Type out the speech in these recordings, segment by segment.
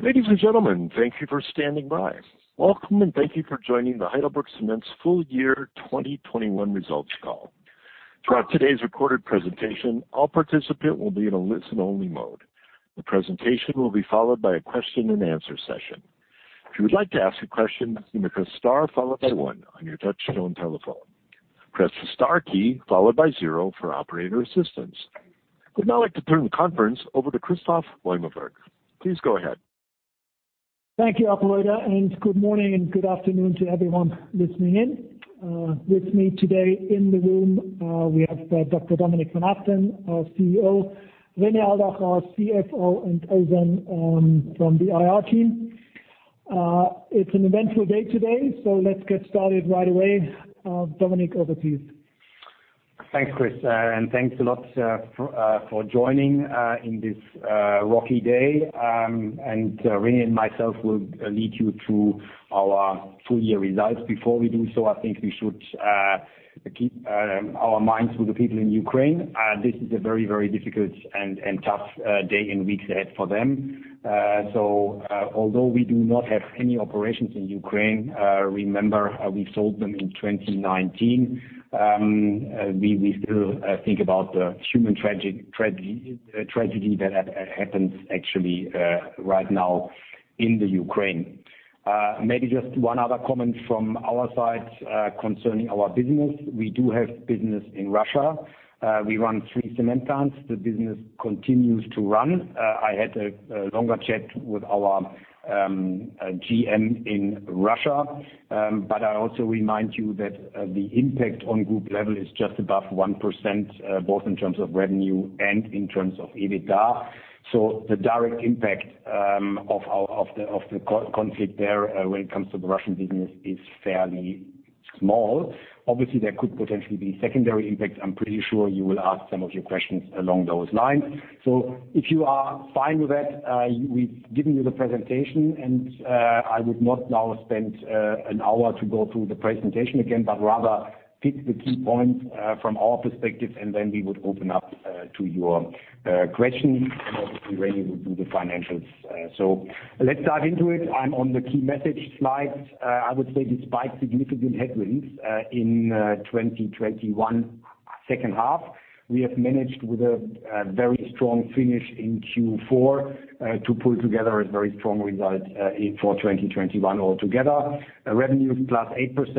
Ladies and gentlemen, thank you for standing by. Welcome and thank you for joining the HeidelbergCement's full year 2021 results call. Throughout today's recorded presentation, all participants will be in a listen-only mode. The presentation will be followed by a question-and-answer session. If you would like to ask a question, you may press star followed by one on your touchtone telephone. Press the star key followed by zero for operator assistance. I would now like to turn the conference over to Christoph Beumelburg. Please go ahead. Thank you, operator, and good morning and good afternoon to everyone listening in. With me today in the room, we have Dr. Dominik von Achten, our CEO, René Aldach, our CFO, and Ozan from the IR team. It's an eventful day today, so let's get started right away. Dominik, over to you. Thanks, Chris. Thanks a lot for joining in this rocky day. René and myself will lead you through our full year results. Before we do so, I think we should keep our minds with the people in Ukraine. This is a very difficult and tough day and weeks ahead for them. Although we do not have any operations in Ukraine, remember how we sold them in 2019, we still think about the human tragedy that happens actually right now in the Ukraine. Maybe just one other comment from our side concerning our business. We do have business in Russia. We run three cement plants. The business continues to run. I had a longer chat with our GM in Russia. I also remind you that the impact on group level is just above 1%, both in terms of revenue and in terms of EBITDA. The direct impact of the conflict there, when it comes to the Russian business, is fairly small. Obviously, there could potentially be secondary impacts. I'm pretty sure you will ask some of your questions along those lines. If you are fine with that, we've given you the presentation, and I would not now spend an hour to go through the presentation again, but rather pick the key points from our perspective, and then we would open up to your questions, and obviously René will do the financials. Let's dive into it. I'm on the key message slide. I would say despite significant headwinds in 2021 second half, we have managed with a very strong finish in Q4 to pull together a very strong result for 2021 altogether. Revenue plus 8%,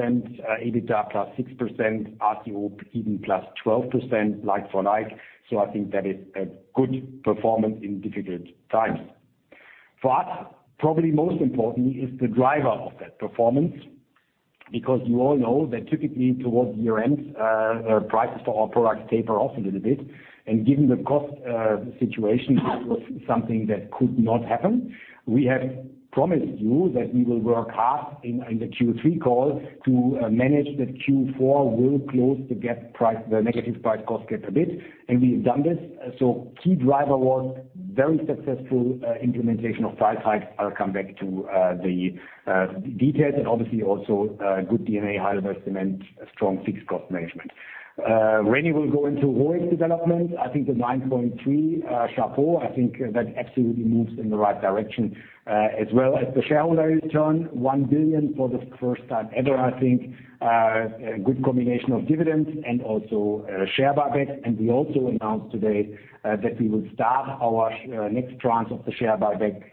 EBITDA plus 6%, RCO even plus 12% like for like. I think that is a good performance in difficult times. For us, probably most importantly is the driver of that performance, because you all know that typically towards year-end prices for our products taper off a little bit. Given the cost situation, this was something that could not happen. We have promised you that we will work hard in the Q3 call to manage the Q4. We'll close the price gap, the negative price-cost gap a bit, and we've done this. Key driver was very successful implementation of price hike. I'll come back to the details and obviously also good DNA Heidelberg Materials, strong fixed cost management. René will go into ROIC development. I think the 9.3% ROIC. I think that absolutely moves in the right direction as well as the shareholder return, 1 billion for the first time ever, I think. A good combination of dividends and also share buyback. We also announced today that we will start our next tranche of the share buyback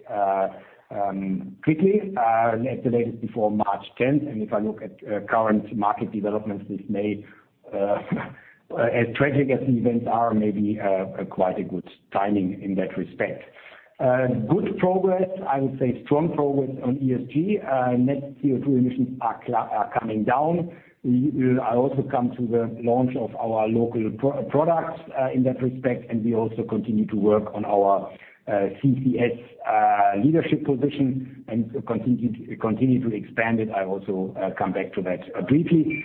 quickly, at the latest before March 10. If I look at current market developments this May, as tragic as the events are, maybe quite a good timing in that respect. Good progress, I would say strong progress on ESG. Net CO2 emissions are coming down. I also come to the launch of our local products in that respect, and we also continue to work on our CCS leadership position and continue to expand it. I also come back to that briefly.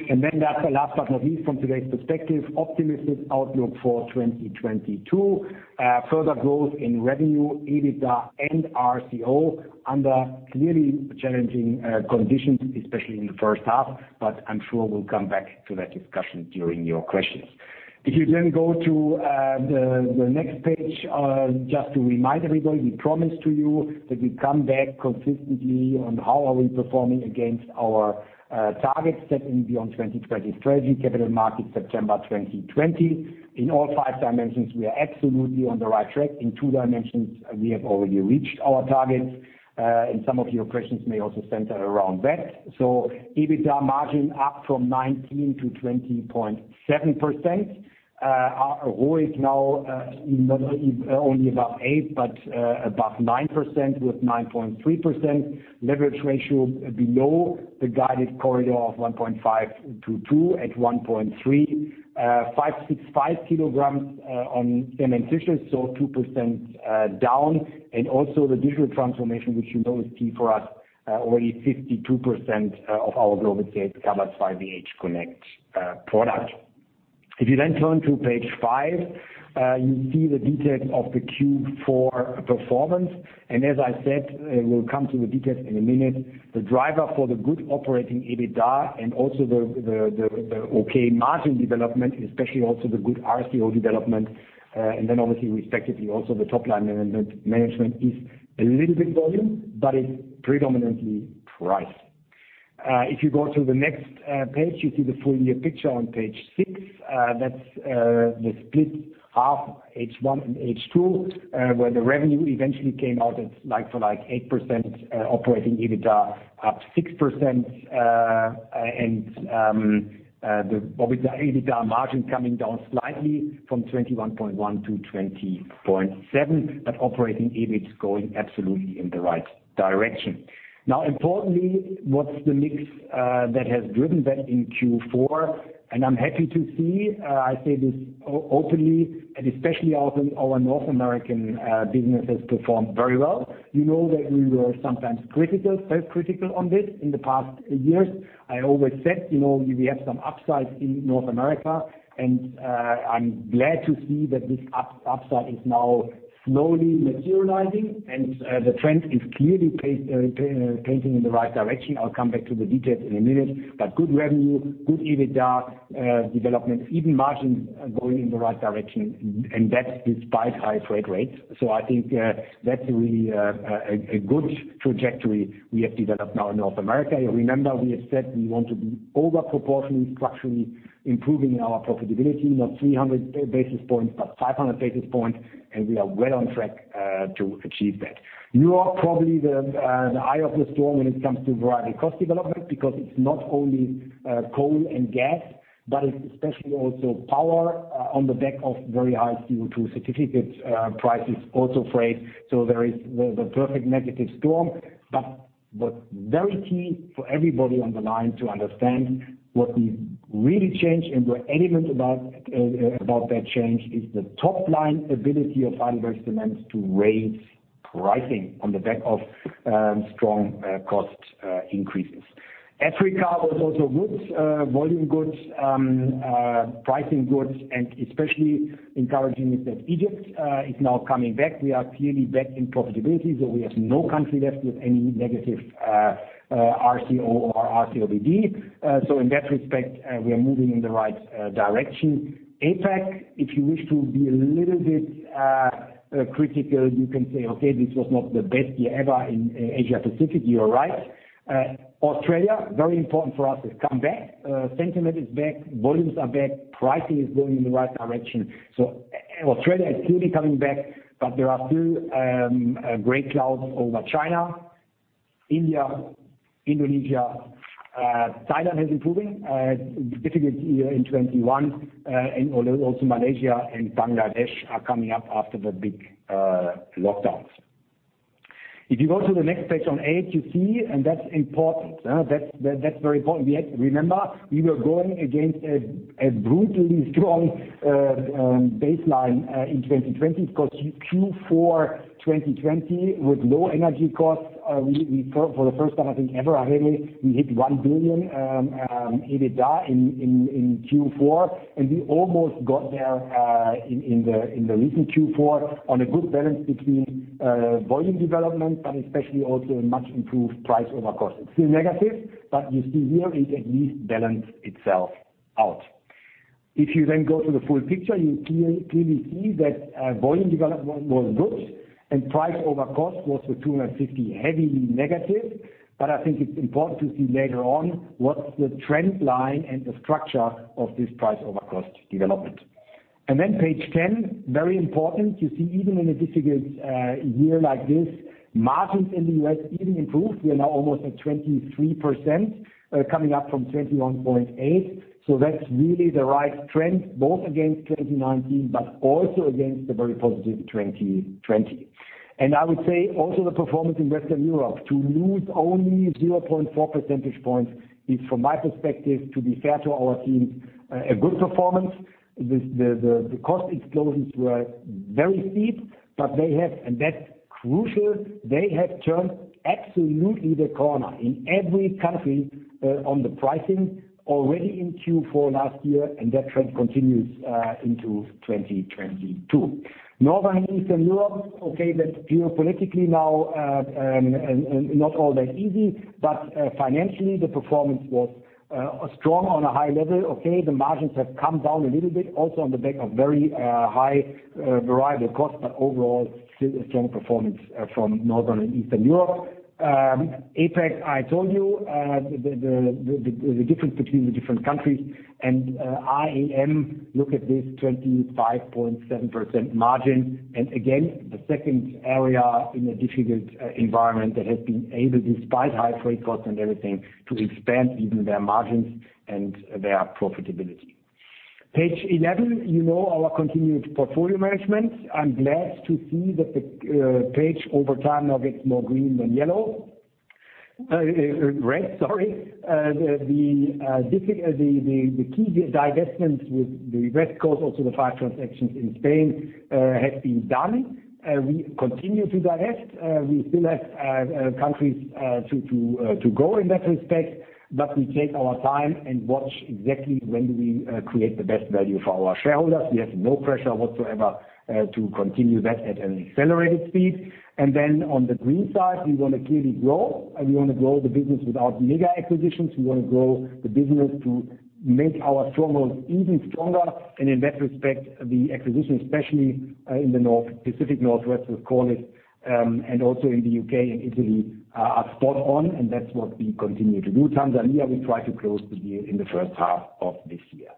Last but not least, from today's perspective, optimistic outlook for 2022. Further growth in revenue, EBITDA, and RCO under clearly challenging conditions, especially in the first half, but I'm sure we'll come back to that discussion during your questions. If you then go to the next page, just to remind everybody, we promised to you that we come back consistently on how are we performing against our targets set in the 2020 Strategy Capital Markets Day, September 2020. In all five dimensions, we are absolutely on the right track. In two dimensions, we have already reached our targets. Some of your questions may also center around that. EBITDA margin up from 19%-20.7%. Our ROIC now not only above 8%, but above 9%, with 9.3% leverage ratio below the guided corridor of 1.5-2 at 1.3. 565 kg on cementitious, so 2% down. Also the digital transformation, which you know is key for us, already 52% of our global sales covered by the HConnect product. If you then turn to page 5, you see the details of the Q4 performance. As I said, we'll come to the details in a minute. The driver for the good operating EBITDA and also the okay margin development, especially also the good RCO development, and then obviously respectively also the top-line management is a little bit volume, but it's predominantly price. If you go to the next page, you see the full year picture on page six. That's the split half, H1 and H2, where the revenue eventually came out at like-for-like 8%, operating EBITDA up 6%. And the EBITDA margin coming down slightly from 21.1%-20.7%, but operating EBITDA is going absolutely in the right direction. Now, importantly, what's the mix that has driven that in Q4? I'm happy to see, I say this openly and especially also our North American business has performed very well. You know that we were sometimes critical, self-critical on this in the past years. I always said, you know, we have some upsides in North America, and I'm glad to see that this upside is now slowly materializing, and the trend is clearly painting in the right direction. I'll come back to the details in a minute. Good revenue, good EBITDA developments, even margins going in the right direction, and that's despite high freight rates. I think that's really a good trajectory we have developed now in North America. You remember we have said we want to be over proportionally, structurally improving our profitability, not 300 basis points, but 500 basis points, and we are well on track to achieve that. You are probably the eye of the storm when it comes to various cost development, because it's not only coal and gas, but it's especially also power on the back of very high CO₂ certificate prices also freight. There is the perfect negative storm. What's very key for everybody on the line to understand what we really changed and we're adamant about that change is the top line ability of Heidelberg Materials to raise pricing on the back of strong cost increases. Africa was also good, volume good, pricing good, and especially encouraging is that Egypt is now coming back. We are clearly back in profitability, so we have no country left with any negative RCO or RCOBD. In that respect, we are moving in the right direction. APAC, if you wish to be a little bit critical, you can say, "Okay, this was not the best year ever in Asia Pacific." You're right. Australia, very important for us, has come back. Sentiment is back, volumes are back, pricing is going in the right direction. Australia is clearly coming back, but there are still gray clouds over China, India, Indonesia. Thailand is improving, difficult year in 2021, and also Malaysia and Bangladesh are coming up after the big lockdowns. If you go to the next page on 8, you see, and that's important. That's very important. Remember, we were going against a brutally strong baseline in 2020 because Q4 2020 with low energy costs, we for the first time, I think ever, René, we hit 1 billion EBITDA in Q4, and we almost got there in the recent Q4 on a good balance between volume development, but especially also a much improved price over cost. It's still negative, but you see here it at least balanced itself out. If you then go to the full picture, you clearly see that volume development was good and price over cost was with 250, heavily negative. I think it's important to see later on what's the trend line and the structure of this price over cost development. Page ten, very important. You see, even in a difficult year like this, margins in the U.S. even improved. We are now almost at 23%, coming up from 21.8%. That's really the right trend, both against 2019, but also against the very positive 2020. I would say also the performance in Western Europe, to lose only 0.4 percentage points is, from my perspective, to be fair to our teams, a good performance. The cost explosions were very steep, but they have, and that's crucial, they have turned absolutely the corner in every country, on the pricing already in Q4 last year, and that trend continues into 2022. Northern and Eastern Europe, okay, that geopolitically now, not all that easy, but, financially the performance was, strong on a high level. Okay, the margins have come down a little bit also on the back of very high variable cost, but overall still a strong performance, from Northern and Eastern Europe. APAC, I told you, the difference between the different countries and, IAM, look at this 25.7% margin. Again, the second area in a difficult, environment that has been able, despite high freight costs and everything, to expand even their margins and their profitability. Page eleven, you know our continued portfolio management. I'm glad to see that the, page over time now gets more green than yellow. Red, sorry. The key divestments with the West Coast, also the five transactions in Spain, have been done. We continue to divest. We still have countries to go in that respect, but we take our time and watch exactly when do we create the best value for our shareholders. We have no pressure whatsoever to continue that at an accelerated speed. On the green side, we wanna clearly grow, and we wanna grow the business without mega acquisitions. We wanna grow the business to make our strongholds even stronger. In that respect, the acquisition, especially, in the Pacific Northwest, with Corliss, and also in the UK and Italy are spot on, and that's what we continue to do. Tanzania, we try to close the deal in the first half of this year.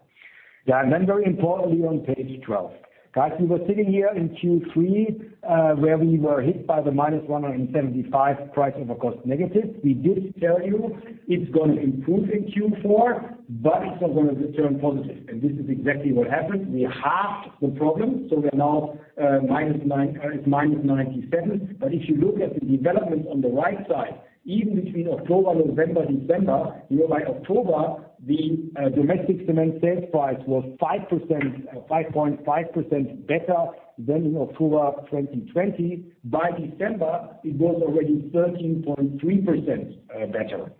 Yeah, very importantly on page 12. Guys, we were sitting here in Q3, where we were hit by the -175 price over cost negative. We did tell you it's going to improve in Q4, but it's not gonna turn positive. This is exactly what happened. We halved the problem, so we're now minus 97. If you look at the development on the right side, even between October, November, December, you know, by October the domestic cement sales price was 5.5% better than in October 2020. By December, it was already 13.3% better.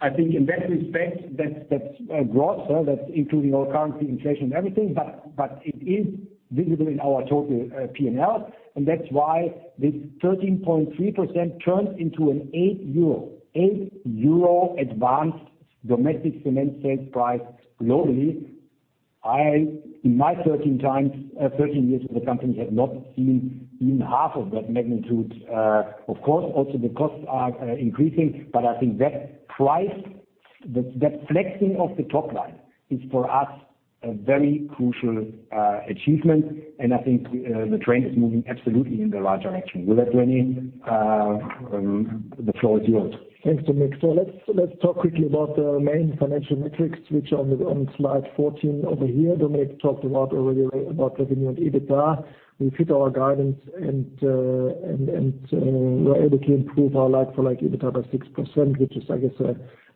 I think in that respect, that's gross, so that's including all currency, inflation, everything. It is visible in our total P&L, and that's why this 13.3% turned into an 8 euro advance in domestic cement sales price globally. In my 13 years with the company, I have not seen even half of that magnitude. Of course, also the costs are increasing, but I think that price, that flexing of the top line is for us a very crucial achievement. I think the train is moving absolutely in the right direction. With that, René, the floor is yours. Thanks, Dominik. Let's talk quickly about the main financial metrics, which are on slide 14 over here. Dominik talked already about revenue and EBITDA. We hit our guidance and we're able to improve our like-for-like EBITDA by 6%, which is, I guess,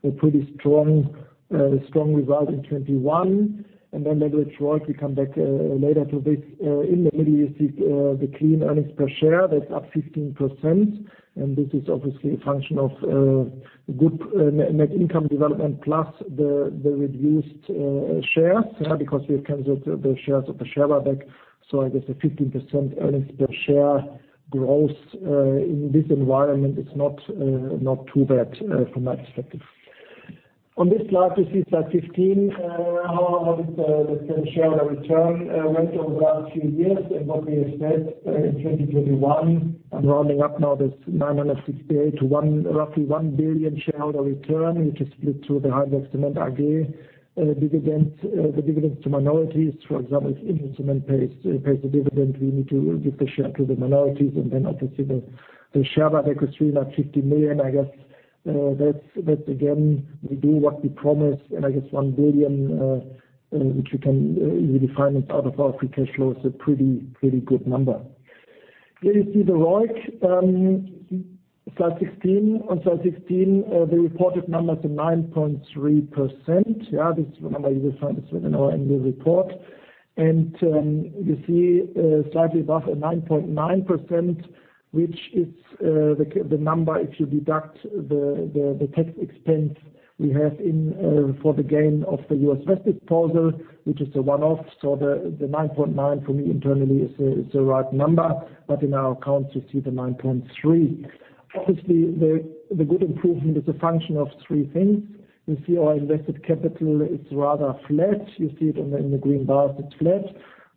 a pretty strong result in 2021. Then leverage ROIC, we come back later to this. In the middle you see the clean earnings per share, that's up 15%. This is obviously a function of good net income development plus the reduced shares because we have canceled the shares of the share buyback. I guess the 15% earnings per share growth in this environment is not too bad from that perspective. On this slide, you see slide 15, how the shareholder return went over the last few years, and what we have said in 2021, I'm rounding up now, that's 968 to 1, roughly 1 billion shareholder return, which is split through the HeidelbergCement AG dividend. The dividends to minorities, for example, if India Cements pays a dividend, we need to give the share to the minorities. Then obviously the share buyback was 350 million. I guess that's again, we do what we promised. I guess 1 billion which we can really finance out of our free cash flow is a pretty good number. Here you see the ROIC, slide 16. On slide 16, the reported number is 9.3%. Yeah, this number you will find this in our annual report. You see slightly above at 9.9%, which is the number if you deduct the tax expense we have in for the gain of the U.S. West disposal, which is a one-off. The 9.9% for me internally is the right number. In our accounts, you see the 9.3. Obviously, the good improvement is a function of three things. You see our invested capital, it's rather flat. You see it in the green bars, it's flat.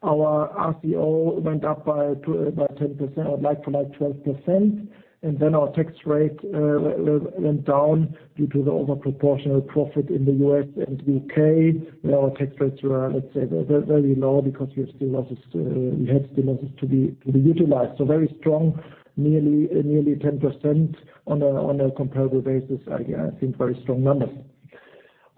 Our RCO went up by 10%, like-for-like 12%. Then our tax rate went down due to the over proportional profit in the U.S. and U.K., where our tax rates were, let's say, very low because we still had losses to be utilized. Very strong, nearly 10% on a comparable basis, I think very strong numbers.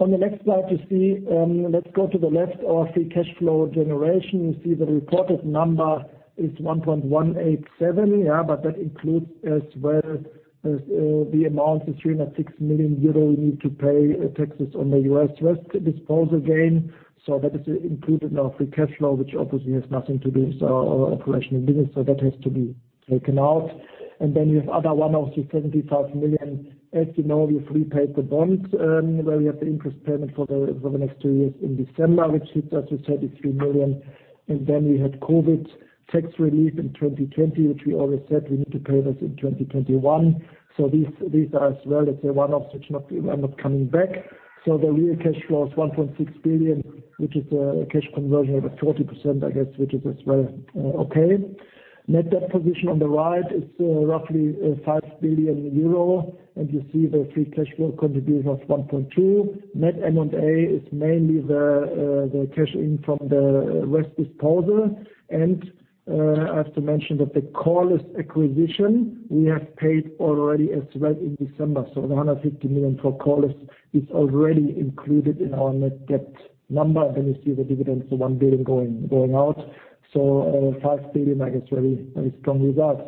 On the next slide, you see, let's go to the left, our free cash flow generation. You see the reported number is 1.187 billion, but that includes as well as the amount of 306 million euro we need to pay taxes on the U.S. West disposal gain. That is included in our free cash flow, which obviously has nothing to do with our operational business. That has to be taken out. You have other 175 million. As you know, we've repaid the bonds, where we have the interest payment for the next two years in December, which hits, as you said, the 3 million. We had COVID tax relief in 2020, which we always said we need to pay this in 2021. These are as well, let's say one-off, which are not coming back. The real cash flow is 1.6 billion, which is a cash conversion of 40%, I guess, which is as well, okay. Net debt position on the right is, roughly, 5 billion euro, and you see the free cash flow contribution of 1.2 billion. Net M&A is mainly the cash in from the West disposal. I have to mention that the Corliss acquisition we have paid already as well in December. The 150 million for Corliss is already included in our net debt number. Then you see the dividends of 1 billion going out. Five billion, I guess, really very strong result.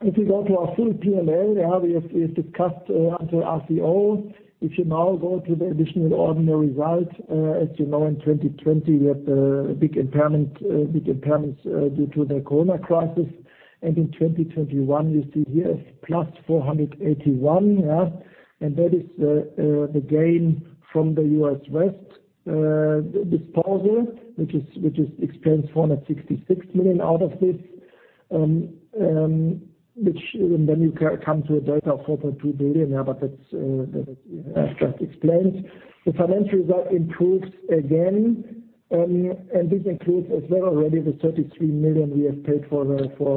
If you go to our full P&L, we have discussed until RCO. If you now go to the additional ordinary result, as you know, in 2020, we had big impairments due to the COVID crisis. In 2021, you see here plus 481. That is the gain from the U.S. West disposal, which is expense 466 million out of this. Then you come to a delta of 4.2 billion, but that's as just explained. The financial result improves again. This includes as well already the 33 million we have paid for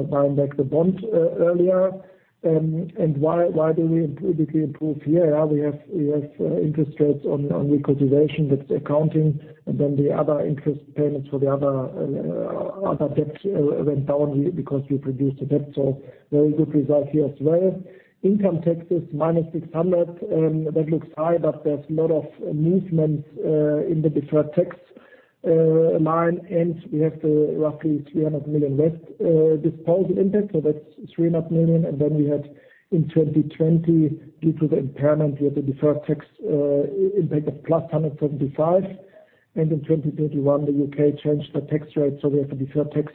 buying back the bond earlier. Why do we significantly improve here? We have interest rates on recapitalization, that's accounting, and then the other interest payments for the other debts went down because we reduced the debt. Very good result here as well. Income taxes -600 million, that looks high, but there's a lot of movements in the deferred tax line, and we have roughly 300 million left disposal impact. That's 300 million. Then we had in 2020, due to the impairment, we have a deferred tax impact of +175 million. In 2021, the U.K. changed the tax rate, so we have a deferred tax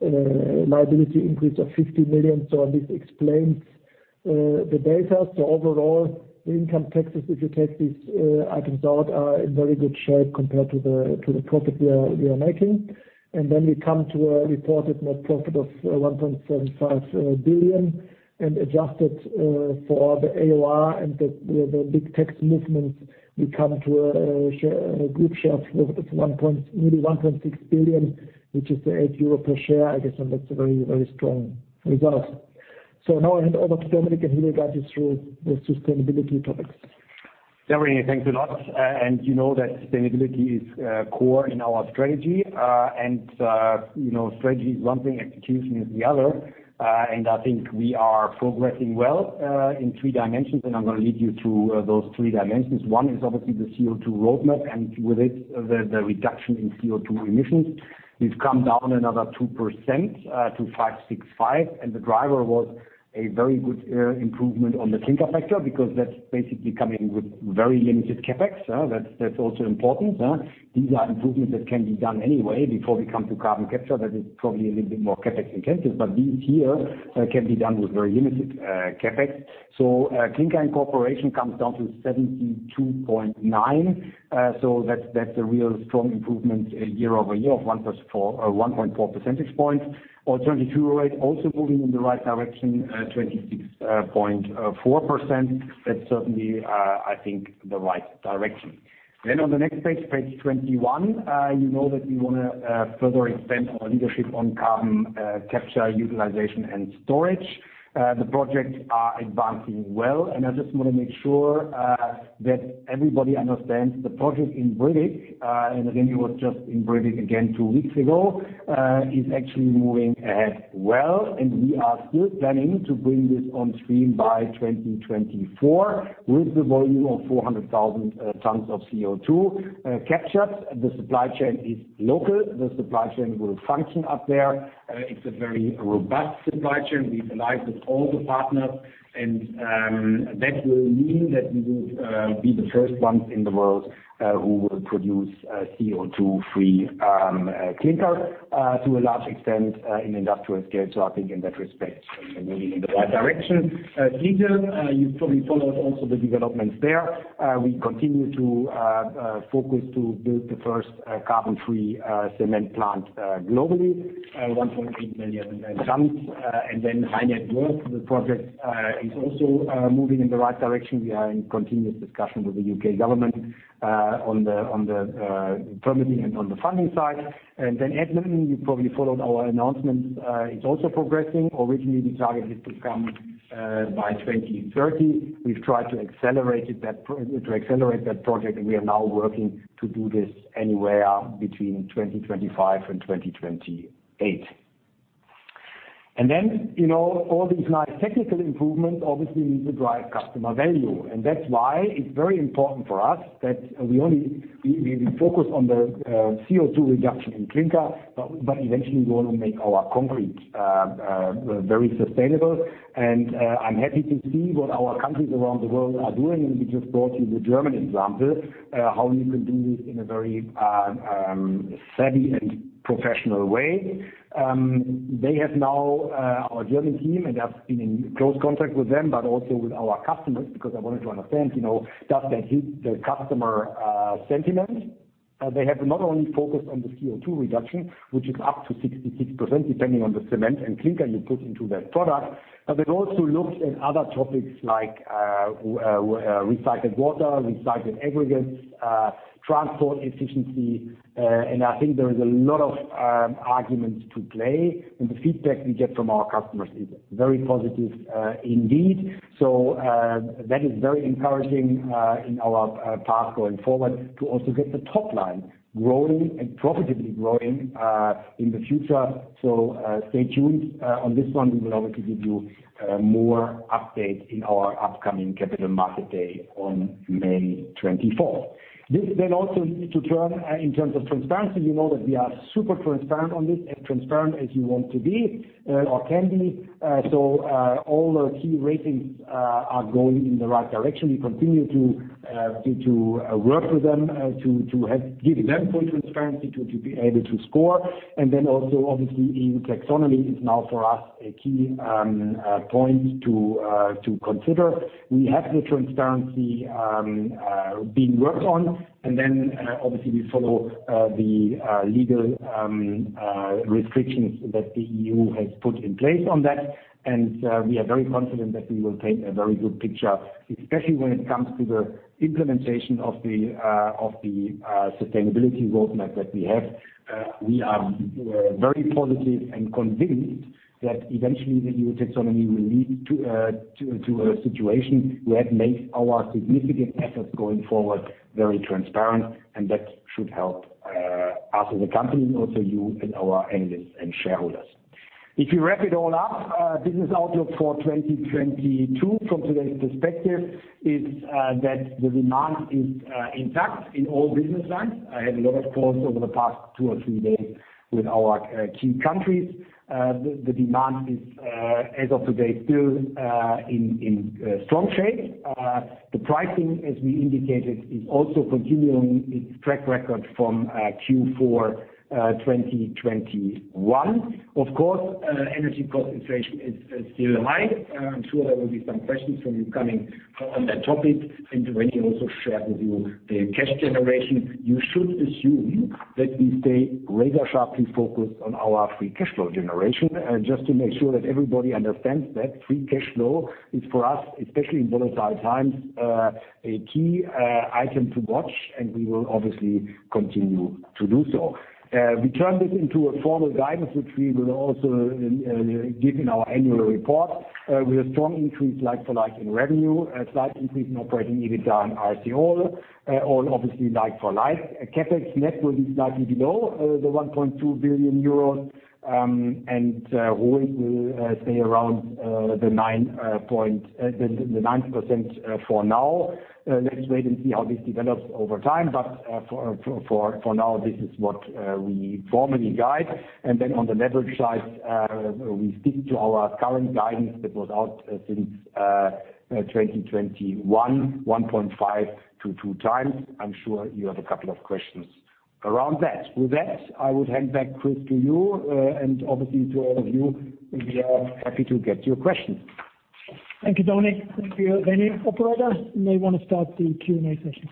liability increase of 50 million. This explains the data. Overall, the income taxes, if you take these items out, are in very good shape compared to the profit we are making. We come to a reported net profit of 1.75 billion and adjusted for the AOR and the big tax movements, we come to a share group share of nearly 1.6 billion, which is 8 euro per share, I guess. That's a very, very strong result. Now I hand over to Dominik, and he will guide you through the sustainability topics. Thanks a lot. You know that sustainability is core in our strategy. You know, strategy is one thing, execution is the other. I think we are progressing well in three dimensions, and I'm gonna lead you through those three dimensions. One is obviously the CO2 roadmap, and with it, the reduction in CO2 emissions. We've come down another 2% to 565, and the driver was a very good improvement on the clinker factor, because that's basically coming with very limited CapEx. That's also important. These are improvements that can be done anyway before we come to carbon capture. That is probably a little bit more CapEx intensive, but these here can be done with very limited CapEx. Clinker incorporation comes down to 72.9. That's a real strong improvement year over year of 1.4 percentage points. Alternative fuel rate also moving in the right direction, 26.4%. That's certainly, I think, the right direction. On the next page 21, you know that we want to further expand our leadership on carbon capture, utilization and storage. The projects are advancing well, and I just want to make sure that everybody understands the project in Brevik. And René was just in Brevik again two weeks ago. It is actually moving ahead well, and we are still planning to bring this on stream by 2024 with the volume of 400,000 tons of CO2 captured. The supply chain is local. The supply chain will function up there. It's a very robust supply chain. We've aligned with all the partners, and that will mean that we will be the first ones in the world who will produce CO2-free clinker to a large extent in industrial scale. I think in that respect, we're moving in the right direction. Lixhe, you probably followed also the developments there. We continue to focus to build the first carbon-free cement plant globally, 1.8 million tons. HyNet, the project, is also moving in the right direction. We are in continuous discussion with the U.K. government on the permitting and on the funding side. Edmonton, you probably followed our announcements. It's also progressing. Originally, the target is to come by 2030. We've tried to accelerate it, to accelerate that project, and we are now working to do this anywhere between 2025 and 2028. Then, you know, all these nice technical improvements obviously need to drive customer value. That's why it's very important for us that we only focus on the CO2 reduction in clinker, but eventually we wanna make our concrete very sustainable. I'm happy to see what our countries around the world are doing, and we just brought you the German example, how you can do this in a very savvy and professional way. They have now our German team, and I've been in close contact with them, but also with our customers, because I wanted to understand, you know, does that hit the customer sentiment? They have not only focused on the CO2 reduction, which is up to 66% depending on the cement and clinker you put into that product, but they've also looked at other topics like recycled water, recycled aggregates, transport efficiency. I think there is a lot of arguments to play, and the feedback we get from our customers is very positive, indeed. That is very encouraging in our path going forward to also get the top line growing and profitably growing in the future. Stay tuned on this one. We will obviously give you more updates in our upcoming capital market day on May 24. This then also needs to turn in terms of transparency. We know that we are super transparent on this, as transparent as you want to be or can be. All the key ratings are going in the right direction. We continue to work with them to help give them full transparency to be able to score. Also obviously EU Taxonomy is now for us a key point to consider. We have the transparency being worked on, and obviously we follow the legal restrictions that the EU has put in place on that. We are very confident that we will paint a very good picture, especially when it comes to the implementation of the sustainability roadmap that we have. We are very positive and convinced that eventually the EU taxonomy will lead to a situation where it makes our significant efforts going forward very transparent, and that should help us as a company and also you and our analysts and shareholders. If you wrap it all up, business outlook for 2022 from today's perspective is that the demand is intact in all business lines. I had a lot of calls over the past two or three days with our key countries. The demand is, as of today, still in strong shape. The pricing, as we indicated, is also continuing its track record from Q4 2021. Of course, energy cost inflation is still high. I'm sure there will be some questions from you coming on that topic. René also shared with you the cash generation. You should assume that we stay razor sharply focused on our free cash flow generation. Just to make sure that everybody understands that, free cash flow is for us, especially in volatile times, a key item to watch, and we will obviously continue to do so. We turn this into a formal guidance, which we will also give in our annual report, with a strong increase like for like in revenue, a slight increase in operating EBITDA and RCO, all obviously like for like. CapEx net will be slightly below the 1.2 billion euros, and ROIC will stay around the 9% for now. Let's wait and see how this develops over time. For now, this is what we formally guide. Then on the leverage side, we stick to our current guidance that was out since 2021, 1.5x-2x. I'm sure you have a couple of questions around that. With that, I would hand back, Chris, to you, and obviously to all of you. We are happy to get your questions. Thank you, Dominik. Thank you, René. Operator, you may want to start the Q&A session.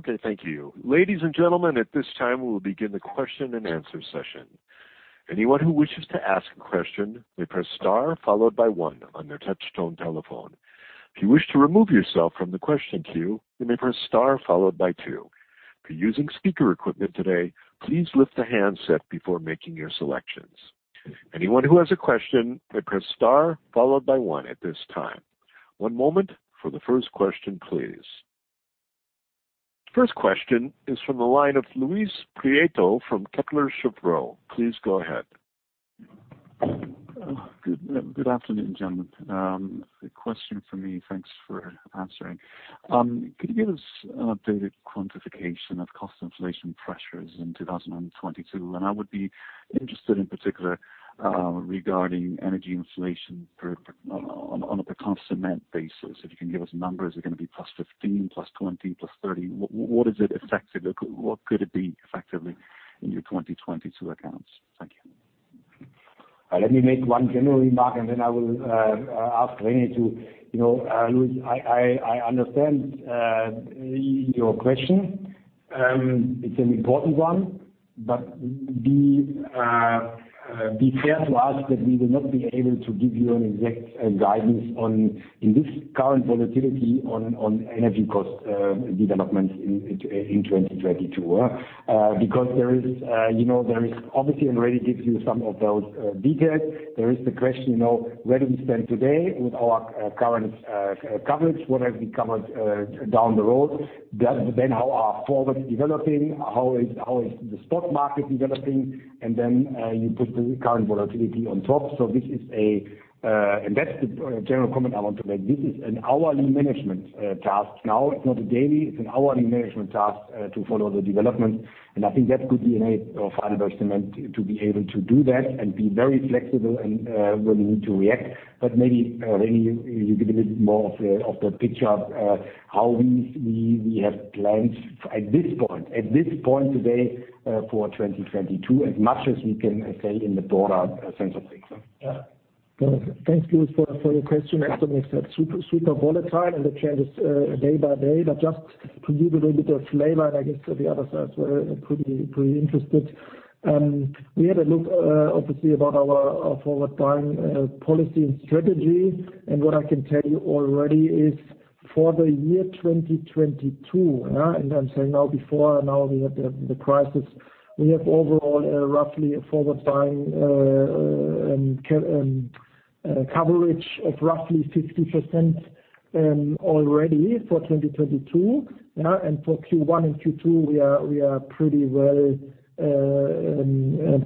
Okay, thank you. Ladies and gentlemen, at this time, we will begin the question and answer session. Anyone who wishes to ask a question may press star followed by one on their touchtone telephone. If you wish to remove yourself from the question queue, you may press star followed by two. If you're using speaker equipment today, please lift the handset before making your selections. Anyone who has a question may press star followed by one at this time. One moment for the first question, please. First question is from the line of Luis Prieto from Kepler Cheuvreux. Please go ahead. Good afternoon, gentlemen. A question for me. Thanks for answering. Could you give us an updated quantification of cost inflation pressures in 2022? I would be interested in particular regarding energy inflation on a per ton cement basis. If you can give us numbers, are they gonna be +15%, +20%, +30%? What is it expected? What could it be expected in your 2022 accounts? Thank you. Let me make one general remark, and then I will ask René to. You know, Luis, I understand your question. It's an important one, but be fair to us that we will not be able to give you an exact guidance on this current volatility in energy cost developments in 2022, because there is, you know, there is obviously, and René gives you some of those details. There is the question, you know, where do we stand today with our current coverage. What have we covered down the road. Then how are forwards developing. How is the stock market developing. Then you put the current volatility on top. So this is, and that's the general comment I want to make. This is an hourly management task now. It's not a daily, it's an hourly management task to follow the development. I think that's good DNA of HeidelbergCement to be able to do that and be very flexible and when we need to react. Maybe René, you give a little bit more of the picture how we have plans at this point today for 2022, as much as we can say in the broader sense of things. Yeah. Thanks, Luis, for your question. As Dominik said, super volatile and it changes day by day. Just to give you a little bit of flavor, and I guess the other sides were pretty interested. We had a look obviously about our forward buying policy and strategy. What I can tell you already is for the year 2022, and I'm saying now before and now we have the crisis, we have overall roughly a forward buying coverage of roughly 50% already for 2022. Yeah. For Q1 and Q2, we are pretty well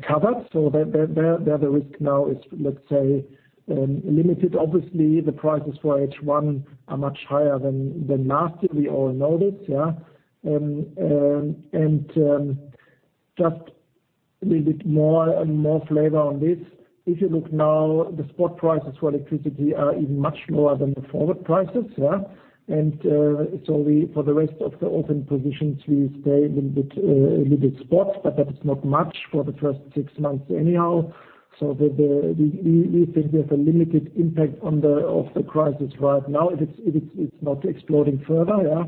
covered. So the risk now is, let's say, limited. Obviously, the prices for H1 are much higher than last year. We all know this. Just a little bit more flavor on this. If you look now, the spot prices for electricity are even much lower than the forward prices, yeah. For the rest of the open positions, we stay a little bit spot, but that is not much for the first six months anyhow. We think we have a limited impact of the crisis right now, if it's not exploding further, yeah.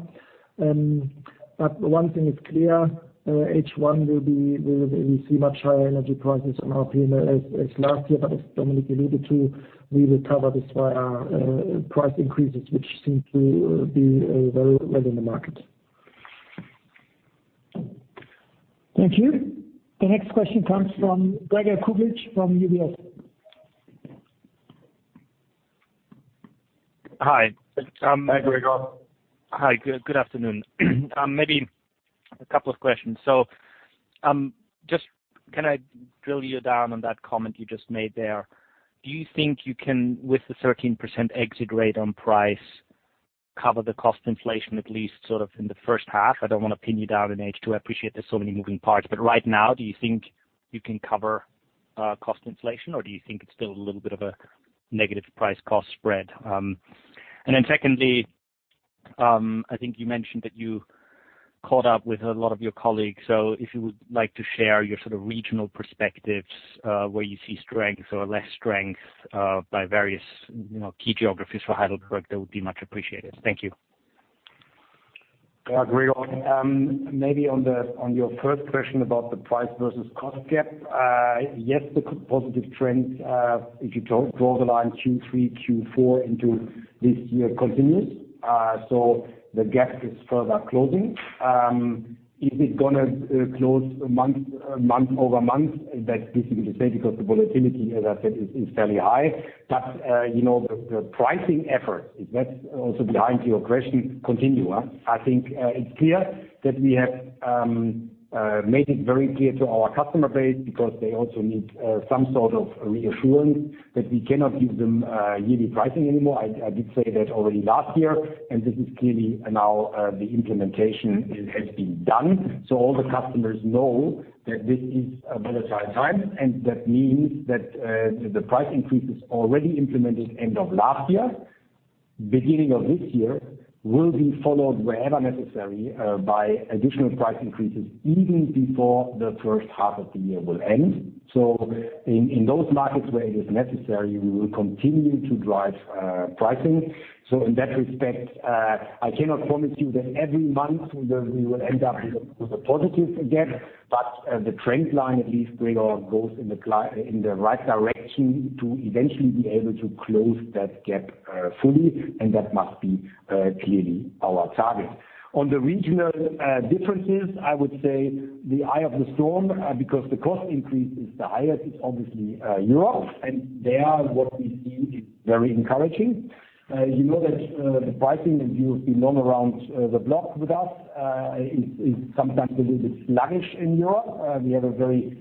One thing is clear, H1 will be. We will see much higher energy prices on our P&L as last year. As Dominik alluded to, we will cover this via price increases, which seem to be very well in the market. Thank you. The next question comes from Gregor Kuglitsch from UBS. Hi. Hi, Gregor. Hi, good afternoon. Maybe a couple of questions. Just, can I drill down on that comment you just made there? Do you think you can, with the 13% exit rate on price, cover the cost inflation at least sort of in the first half? I don't wanna pin you down in H2. I appreciate there's so many moving parts. But right now, do you think you can cover cost inflation, or do you think it's still a little bit of a negative price-cost spread? And then secondly, I think you mentioned that you caught up with a lot of your colleagues. If you would like to share your sort of regional perspectives, where you see strengths or less strengths, by various, you know, key geographies for Heidelberg, that would be much appreciated. Thank you. Gregor, maybe on your first question about the price versus cost gap, yes, the positive trends, if you draw the line Q3, Q4 into this year continues. The gap is further closing. Is it gonna close month over month? That's difficult to say, because the volatility, as I said, is fairly high. You know, the pricing effort, if that's also behind your question, continue. I think it's clear that we have made it very clear to our customer base because they also need some sort of reassurance that we cannot give them yearly pricing anymore. I did say that already last year, and this is clearly now the implementation has been done. All the customers know that this is a volatile time, and that means that the price increases already implemented end of last year, beginning of this year, will be followed wherever necessary by additional price increases even before the first half of the year will end. In those markets where it is necessary, we will continue to drive pricing. In that respect, I cannot promise you that every month we will end up with a positive gap, but the trend line at least, Gregor, goes in the right direction to eventually be able to close that gap fully, and that must be clearly our target. On the regional differences, I would say the eye of the storm because the cost increase is the highest, it's obviously Europe. There, what we see is very encouraging. You know that the pricing, as you've been known around the block with us, is sometimes a little bit sluggish in Europe. We have a very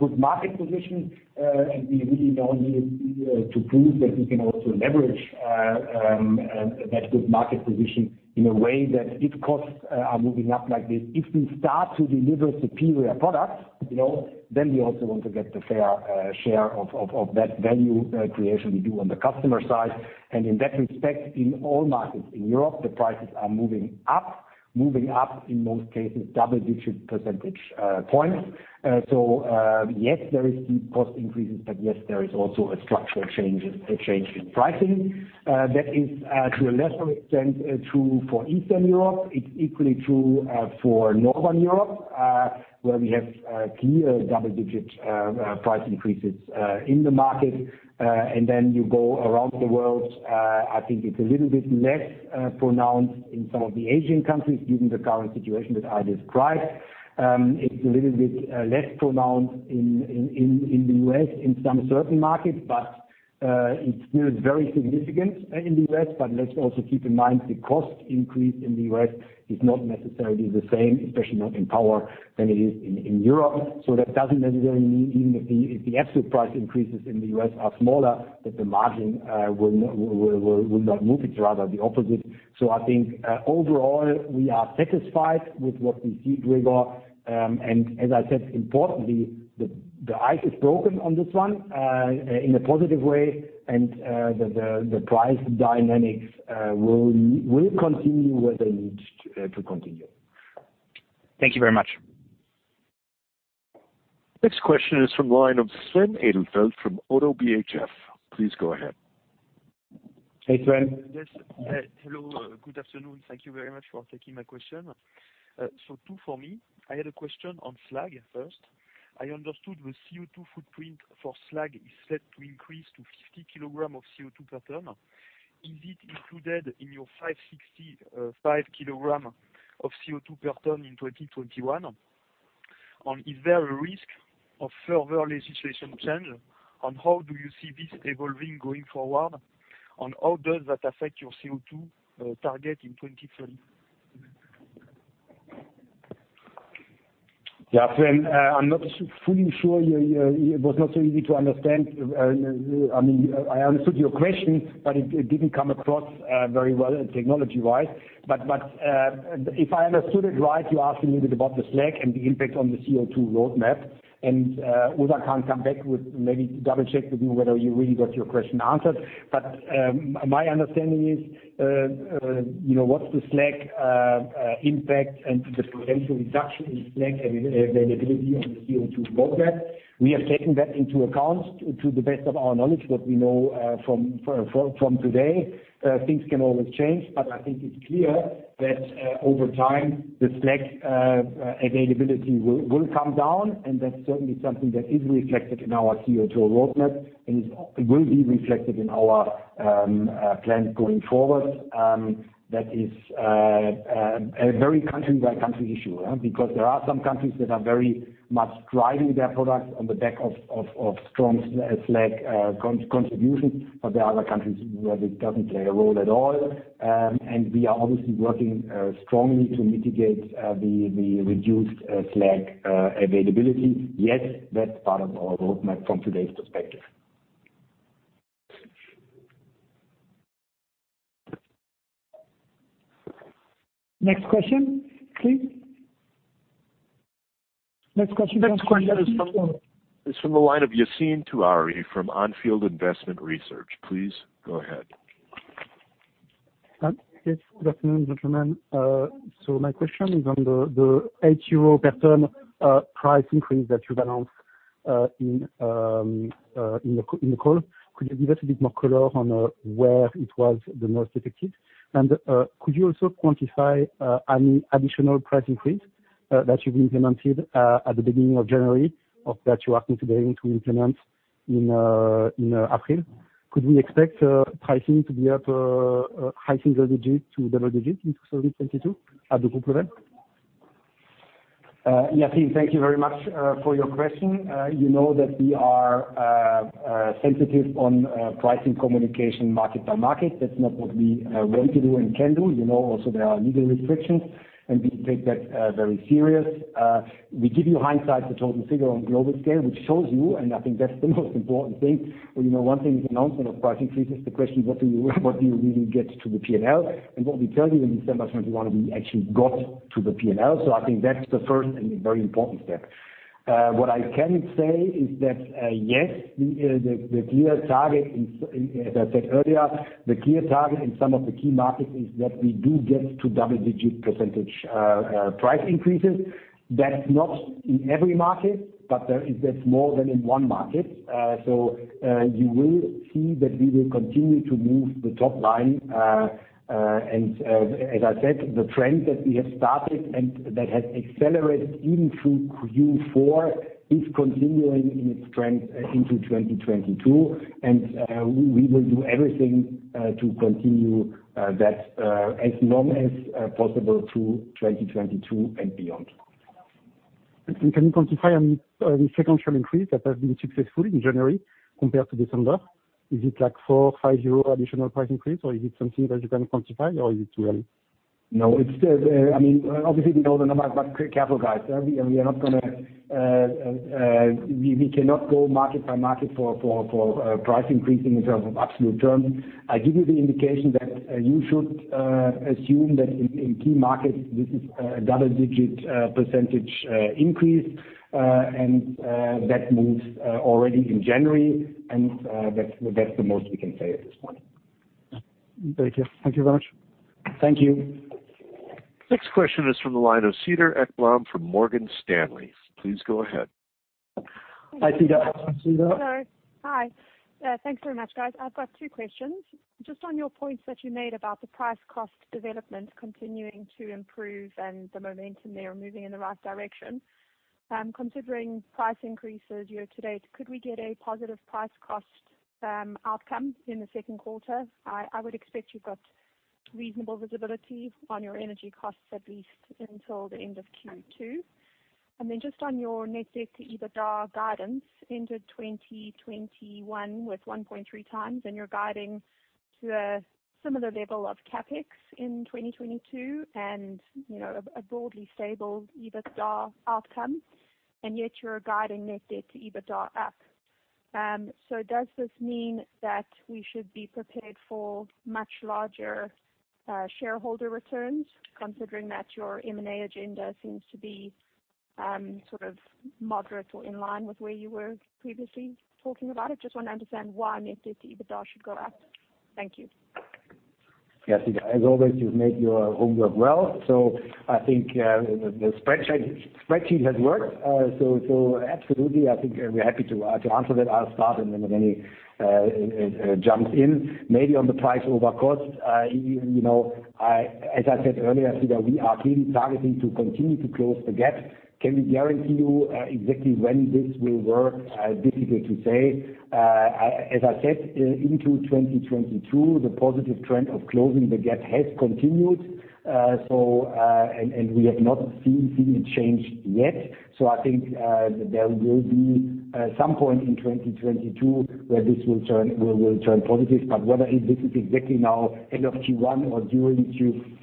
good market position. We really now need to prove that we can also leverage that good market position in a way that if costs are moving up like this, if we start to deliver superior products, you know, then we also want to get the fair share of that value creation we do on the customer side. In that respect, in all markets in Europe, the prices are moving up. Moving up in most cases double-digit percentage points. Yes, there is steep cost increases, but yes, there is also a structural change in pricing. That is, to a lesser extent, true for Eastern Europe. It's equally true for Northern Europe, where we have clear double-digit price increases in the market. You go around the world. I think it's a little bit less pronounced in some of the Asian countries given the current situation that I described. It's a little bit less pronounced in the US in some certain markets, but it's still very significant in the US. Let's also keep in mind the cost increase in the US is not necessarily the same, especially not in power, than it is in Europe. That doesn't necessarily mean even if the actual price increases in the U.S. are smaller, that the margin will not move. It's rather the opposite. I think overall, we are satisfied with what we see, Gregor. And as I said, importantly, the ice is broken on this one in a positive way, and the price dynamics will continue where they need to continue. Thank you very much. Next question is from the line of Sven Hedefeld from ODDO BHF. Please go ahead. Hey, Sven. Yes. Hello. Good afternoon. Thank you very much for taking my question. Two for me. I had a question on slag first. I understood the CO2 footprint for slag is set to increase to 50 kilogram of CO2 per ton. Is it included in your 565 kilogram of CO2 per ton in 2021? And is there a risk of further legislation change, and how do you see this evolving going forward, and how does that affect your CO2 target in 2030? Yeah, Sven, I'm not fully sure. It was not so easy to understand. I mean, I understood your question, but it didn't come across very well technology-wise. If I understood it right, you're asking a little bit about the slag and the impact on the CO2 roadmap. Ozan can come back with maybe double-check with you whether you really got your question answered. My understanding is, you know, what's the slag impact and the potential reduction in slag availability on the CO2 roadmap. We have taken that into account to the best of our knowledge, what we know from today. Things can always change, but I think it's clear that, over time, the slag availability will come down, and that's certainly something that is reflected in our CO2 roadmap, and it will be reflected in our plans going forward. That is a very country by country issue, because there are some countries that are very much driving their products on the back of strong slag contribution. There are other countries where it doesn't play a role at all. We are obviously working strongly to mitigate the reduced slag availability. Yes, that's part of our roadmap from today's perspective. Next question, please. Next question. Next question is from the line of Yassine Touahri from On Field Investment Research. Please go ahead. Yes, good afternoon, gentlemen. My question is on the 8 euro per tonne price increase that you've announced in the call. Could you give us a bit more color on where it was the most effective? Could you also quantify any additional price increase that you've implemented at the beginning of January, or that you are considering to implement in April? Could we expect pricing to be up high single digits to double digits in 2022 at the group level? Yassine, thank you very much for your question. You know that we are sensitive on pricing communication market by market. That's not what we want to do and can do. You know also there are legal restrictions, and we take that very serious. We give you hindsight, the total figure on global scale, which shows you, and I think that's the most important thing, where you know one thing is announcement of price increases. The question what do you really get to the P&L. What we tell you in December 2021, we actually got to the P&L. I think that's the first and very important step. What I can say is that, yes, the clear target, as I said earlier, in some of the key markets is that we do get to double-digit percent price increases. That's not in every market, but that's more than in one market. You will see that we will continue to move the top line. As I said, the trend that we have started and that has accelerated even through Q4 is continuing in its trend into 2022. We will do everything to continue that as long as possible through 2022 and beyond. Can you quantify any sequential increase that has been successful in January compared to December? Is it like 4, 5 euro additional price increase, or is it something that you can quantify, or is it too early? No. It's, I mean, obviously we know the number, but careful, guys. We cannot go market by market for price increases in terms of absolute terms. I give you the indication that you should assume that in key markets, this is a double-digit percentage increase. That moves already in January, and that's the most we can say at this point. Thank you. Thank you very much. Thank you. Next question is from the line of Cedar Ekblom from Morgan Stanley. Please go ahead. Hi, Cedar. Cedar? Hello. Hi. Thanks very much, guys. I've got two questions. Just on your points that you made about the price cost development continuing to improve and the momentum there moving in the right direction. Considering price increases year to date, could we get a positive price cost outcome in the second quarter? I would expect you've got reasonable visibility on your energy costs, at least until the end of Q2. Just on your net debt to EBITDA guidance into 2021 with 1.3 times, and you're guiding to a similar level of CapEx in 2022 and, you know, a broadly stable EBITDA outcome, and yet you're guiding net debt to EBITDA up. Does this mean that we should be prepared for much larger shareholder returns, considering that your M&A agenda seems to be sort of moderate or in line with where you were previously talking about it? I just want to understand why net debt to EBITDA should go up. Thank you. Yeah. As always, you've made your homework well. I think the spreadsheet has worked. Absolutely. I think we're happy to answer that. I'll start and then René jumps in. Maybe on the price over cost, as I said earlier, Cedar, we are clearly targeting to continue to close the gap. Can we guarantee you exactly when this will work? Difficult to say. As I said, into 2022, the positive trend of closing the gap has continued. We have not seen anything change yet. I think there will be some point in 2022 where this will turn positive. Whether this is exactly now end of Q1 or during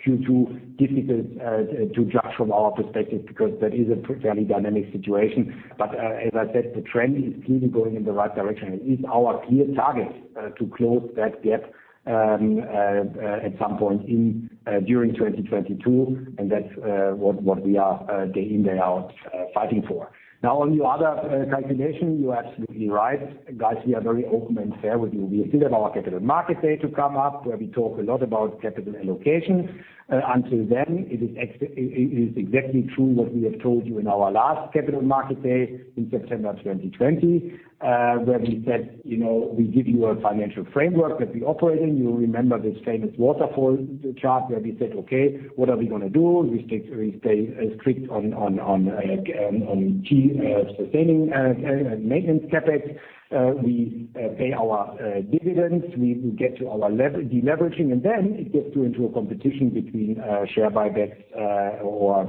Q2, difficult to judge from our perspective because that is a fairly dynamic situation. As I said, the trend is clearly going in the right direction. It is our clear target to close that gap at some point in during 2022, and that's what we are day in, day out fighting for. Now, on your other calculation, you are absolutely right. Guys, we are very open and fair with you. We still have our Capital Markets Day to come up, where we talk a lot about capital allocation. Until then, it is exactly true what we have told you in our last capital market day in September 2020, where we said, you know, we give you a financial framework that we operate in. You remember this famous waterfall chart where we said, "Okay, what are we gonna do?" We stick, we stay strict on key sustaining maintenance CapEx. We pay our dividends, we get to our deleveraging, and then it gets into a competition between share buybacks or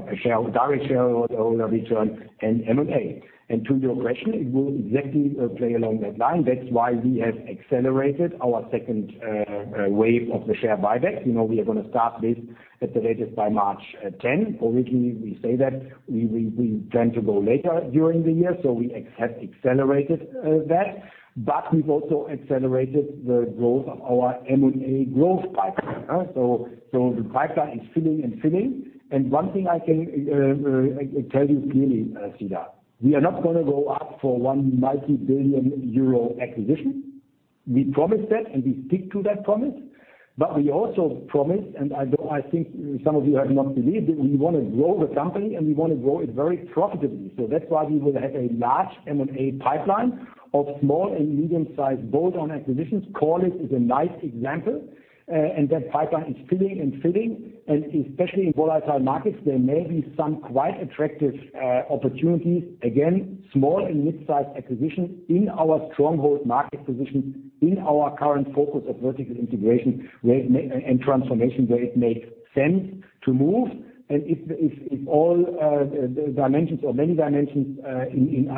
direct shareholder return and M&A. To your question, it will exactly play along that line. That's why we have accelerated our second wave of the share buyback. You know we are gonna start this at the latest by March tenth. Originally, we say that we plan to go later during the year, so we have accelerated that. We've also accelerated the growth of our M&A growth pipeline. So the pipeline is filling and filling. One thing I can tell you clearly, Cedar, we are not gonna go out for one multi-billion euro acquisition. We promised that, and we stick to that promise. We also promised, and I think some of you have not believed it, we wanna grow the company, and we wanna grow it very profitably. That's why we will have a large M&A pipeline of small and medium-sized bolt-on acquisitions. Corliss is a nice example. that pipeline is filling, and especially in volatile markets, there may be some quite attractive opportunities. Again, small and midsize acquisitions in our stronghold market position, in our current focus of vertical integration and transformation, where it makes sense to move. If all dimensions or many dimensions in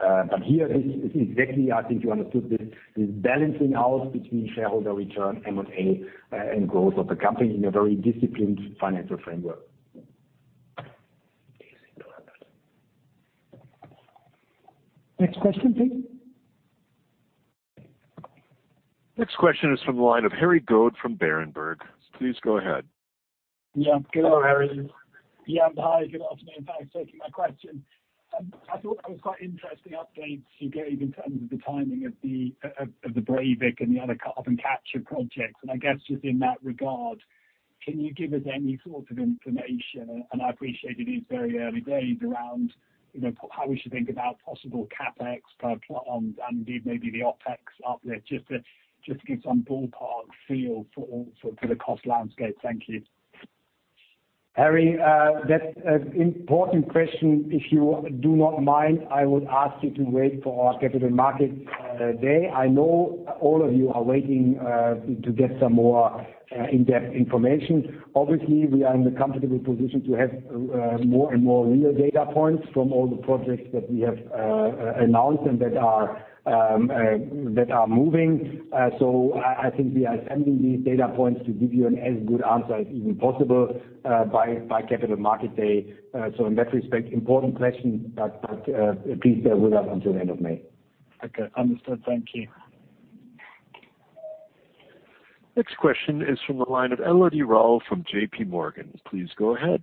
Next question, please. Next question is from the line of Harry Goad from Berenberg. Please go ahead. Yeah. Good. How are you? Yeah, hi. Good afternoon. Thanks for taking my question. I thought that was quite interesting updates you gave in terms of the timing of the Brevik and the other carbon capture projects. I guess just in that regard, can you give us any sort of information, and I appreciate it is very early days, around, you know, how we should think about possible CapEx per plant and indeed maybe the OpEx up there, just to give some ballpark feel for the cost landscape. Thank you. Harry, that's an important question. If you do not mind, I would ask you to wait for our capital markets day. I know all of you are waiting to get some more in-depth information. Obviously, we are in the comfortable position to have more and more real data points from all the projects that we have announced and that are moving. I think we are sending these data points to give you as good an answer as possible by Capital Markets Day. In that respect, important question, but please bear with us until the end of May. Okay. Understood. Thank you. Next question is from the line of Elodie Rall from JPMorgan. Please go ahead.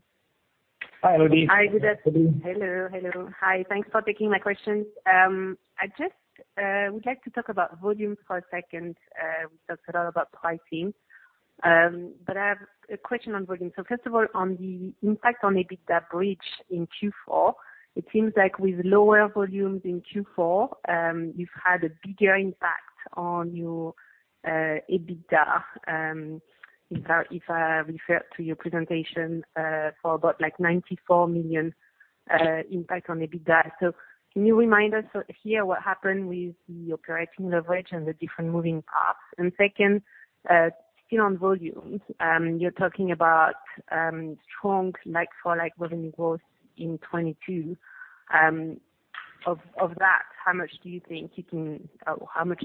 Hi, Elodie. Hi, good afternoon. Hello, hello. Hi, thanks for taking my questions. I just would like to talk about volumes for a second. We talked a lot about pricing, but I have a question on volume. First of all, on the impact on EBITDA bridge in Q4, it seems like with lower volumes in Q4, you've had a bigger impact on your EBITDA, if I refer to your presentation, for about, like, 94 million impact on EBITDA. Can you remind us here what happened with the operating leverage and the different moving parts? Second, still on volumes, you're talking about strong like-for-like revenue growth in 2022. Of that, how much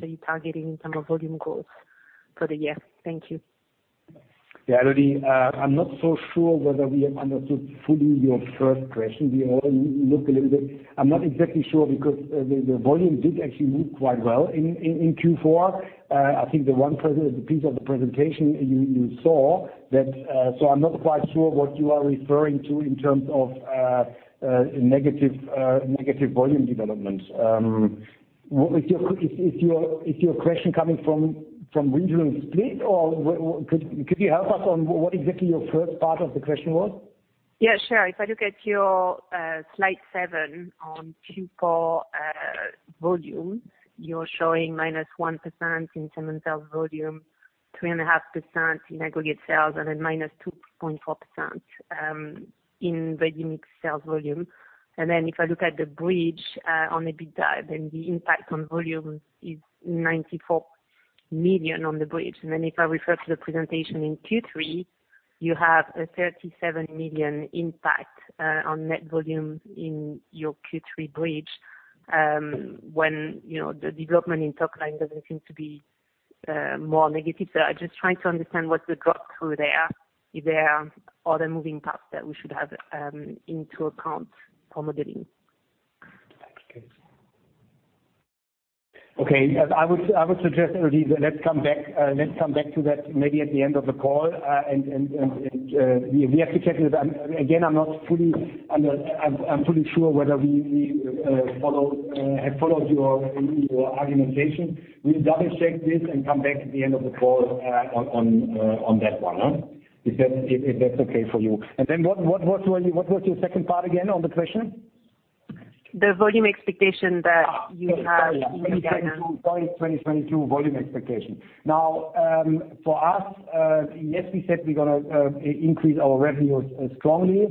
are you targeting in terms of volume growth for the year? Thank you. Yeah, Elodie, I'm not so sure whether we have understood fully your first question. We all look a little bit. I'm not exactly sure because the volume did actually look quite well in Q4. I think the piece of the presentation you saw that. So I'm not quite sure what you are referring to in terms of negative volume development. Is your question coming from Windhoek split, or what? Could you help us on what exactly your first part of the question was? Yeah, sure. If I look at your slide seven on Q4 volumes, you're showing -1% in cement sales volume, 3.5% in aggregate sales, and then -2.4% in ready-mix sales volume. If I look at the bridge on EBITDA, the impact on volumes is 94 million on the bridge. If I refer to the presentation in Q3, you have a 37 million impact on net volume in your Q3 bridge, when you know, the development in top line doesn't seem to be more negative. I'm just trying to understand what the drop through there, if there are other moving parts that we should have into account for modeling. I would suggest, Elodie, let's come back to that maybe at the end of the call. We have to check that. I'm not fully sure whether we have followed your argumentation. We'll double-check this and come back at the end of the call on that one, huh? If that's okay for you. What was your second part again on the question? The volume expectation that you have. Ah. for the year. Sorry, 2022 volume expectation. Now, for us, yes, we said we're gonna increase our revenues strongly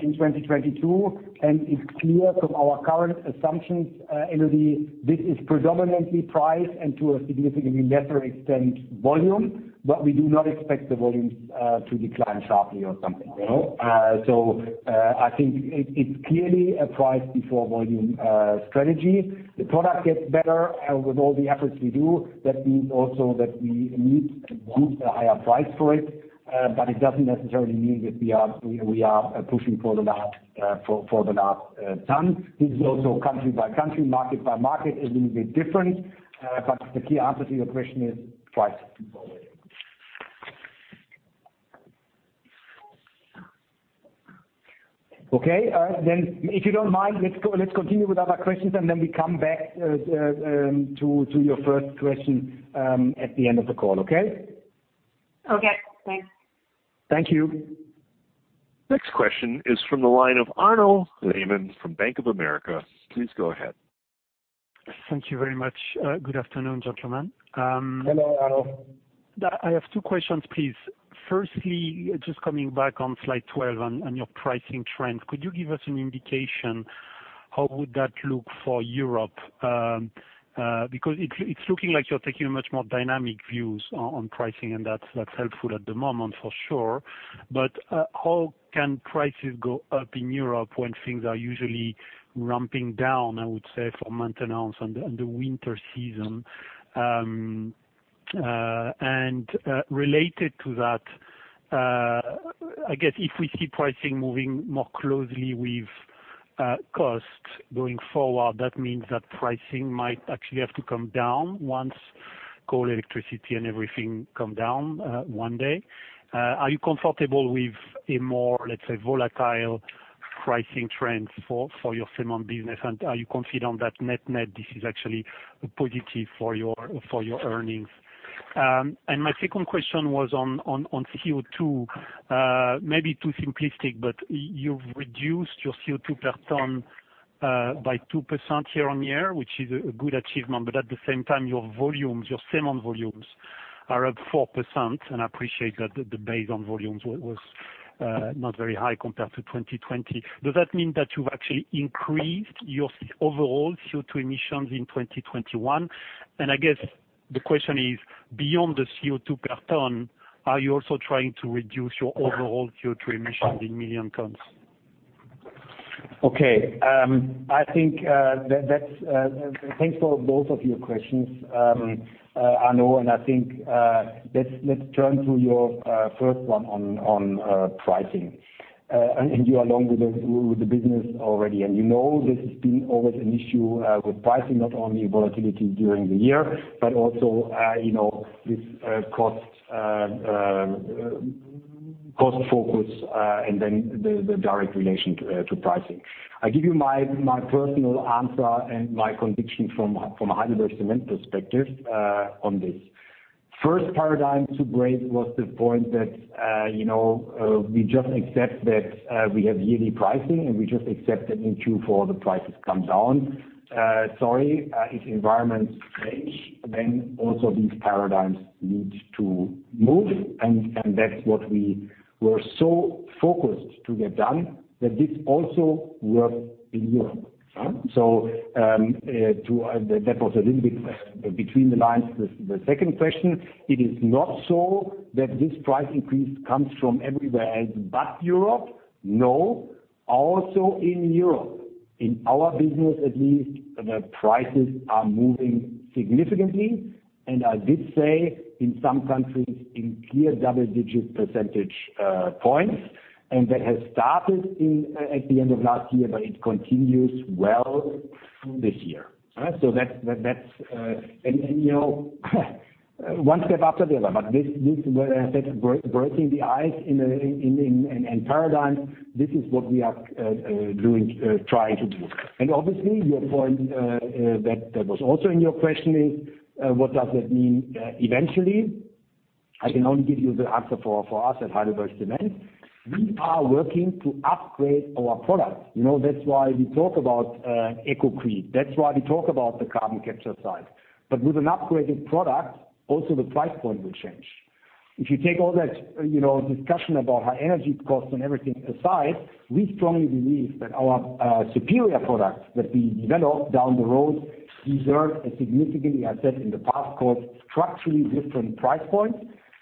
in 2022. It's clear from our current assumptions. Energy this is predominantly price and to a significantly lesser extent, volume. We do not expect the volumes to decline sharply or something, you know? I think it's clearly a price before volume strategy. The product gets better with all the efforts we do. That means also that we need to boost a higher price for it, but it doesn't necessarily mean that we are pushing for the last ton. This is also country by country, market by market, a little bit different. The key answer to your question is price. Okay. If you don't mind, let's go, let's continue with other questions, and then we come back to your first question at the end of the call. Okay? Okay, thanks. Thank you. Next question is from the line of Arnaud Lehmann from Bank of America. Please go ahead. Thank you very much. Good afternoon, gentlemen. Hello, Arnaud. I have two questions, please. Firstly, just coming back on slide 12 on your pricing trend. Could you give us an indication how would that look for Europe? Because it's looking like you're taking a much more dynamic views on pricing, and that's helpful at the moment for sure. How can prices go up in Europe when things are usually ramping down, I would say, for maintenance and the winter season? Related to that, I guess if we see pricing moving more closely with cost going forward, that means that pricing might actually have to come down once coal, electricity and everything come down one day. Are you comfortable with a more, let's say, volatile pricing trend for your cement business? Are you confident that net-net, this is actually a positive for your earnings? My second question was on CO2. Maybe too simplistic, but you've reduced your CO2 per ton by 2% year-on-year, which is a good achievement, but at the same time, your cement volumes are up 4%, and I appreciate that the base on volumes was not very high compared to 2020. Does that mean that you've actually increased your overall CO2 emissions in 2021? I guess the question is, beyond the CO2 per ton, are you also trying to reduce your overall CO2 emissions in million tons? Okay. I think that's thanks for both of your questions, Arno, and I think let's turn to your first one on pricing. You are along with the business already, and you know this has been always an issue with pricing, not only volatility during the year, but also you know this cost focus, and then the direct relation to pricing. I give you my personal answer and my conviction from a HeidelbergCement perspective on this. First paradigm to break was the point that you know we just accept that we have yearly pricing, and we just accept that in Q4 the prices come down. Sorry, if environments change, then also these paradigms need to move and that's what we were so focused to get done that this also works in Europe. That was a little bit between the lines, the second question. It is not so that this price increase comes from everywhere else but Europe. No, also in Europe. In our business at least, the prices are moving significantly. I did say in some countries in clear double-digit percentage points, and that has started at the end of last year, but it continues well through this year. That's, you know, one step after the other, but this breaking the ice in paradigm, this is what we are doing, trying to do. Obviously, your point that was also in your question is what does it mean eventually? I can only give you the answer for us at Heidelberg Materials. We are working to upgrade our product. You know, that's why we talk about EcoCrete. That's why we talk about the carbon capture side. But with an upgraded product, also the price point will change. If you take all that, you know, discussion about high energy costs and everything aside, we strongly believe that our superior products that we develop down the road deserve a significantly, I said in the past, quote, "structurally different price point,"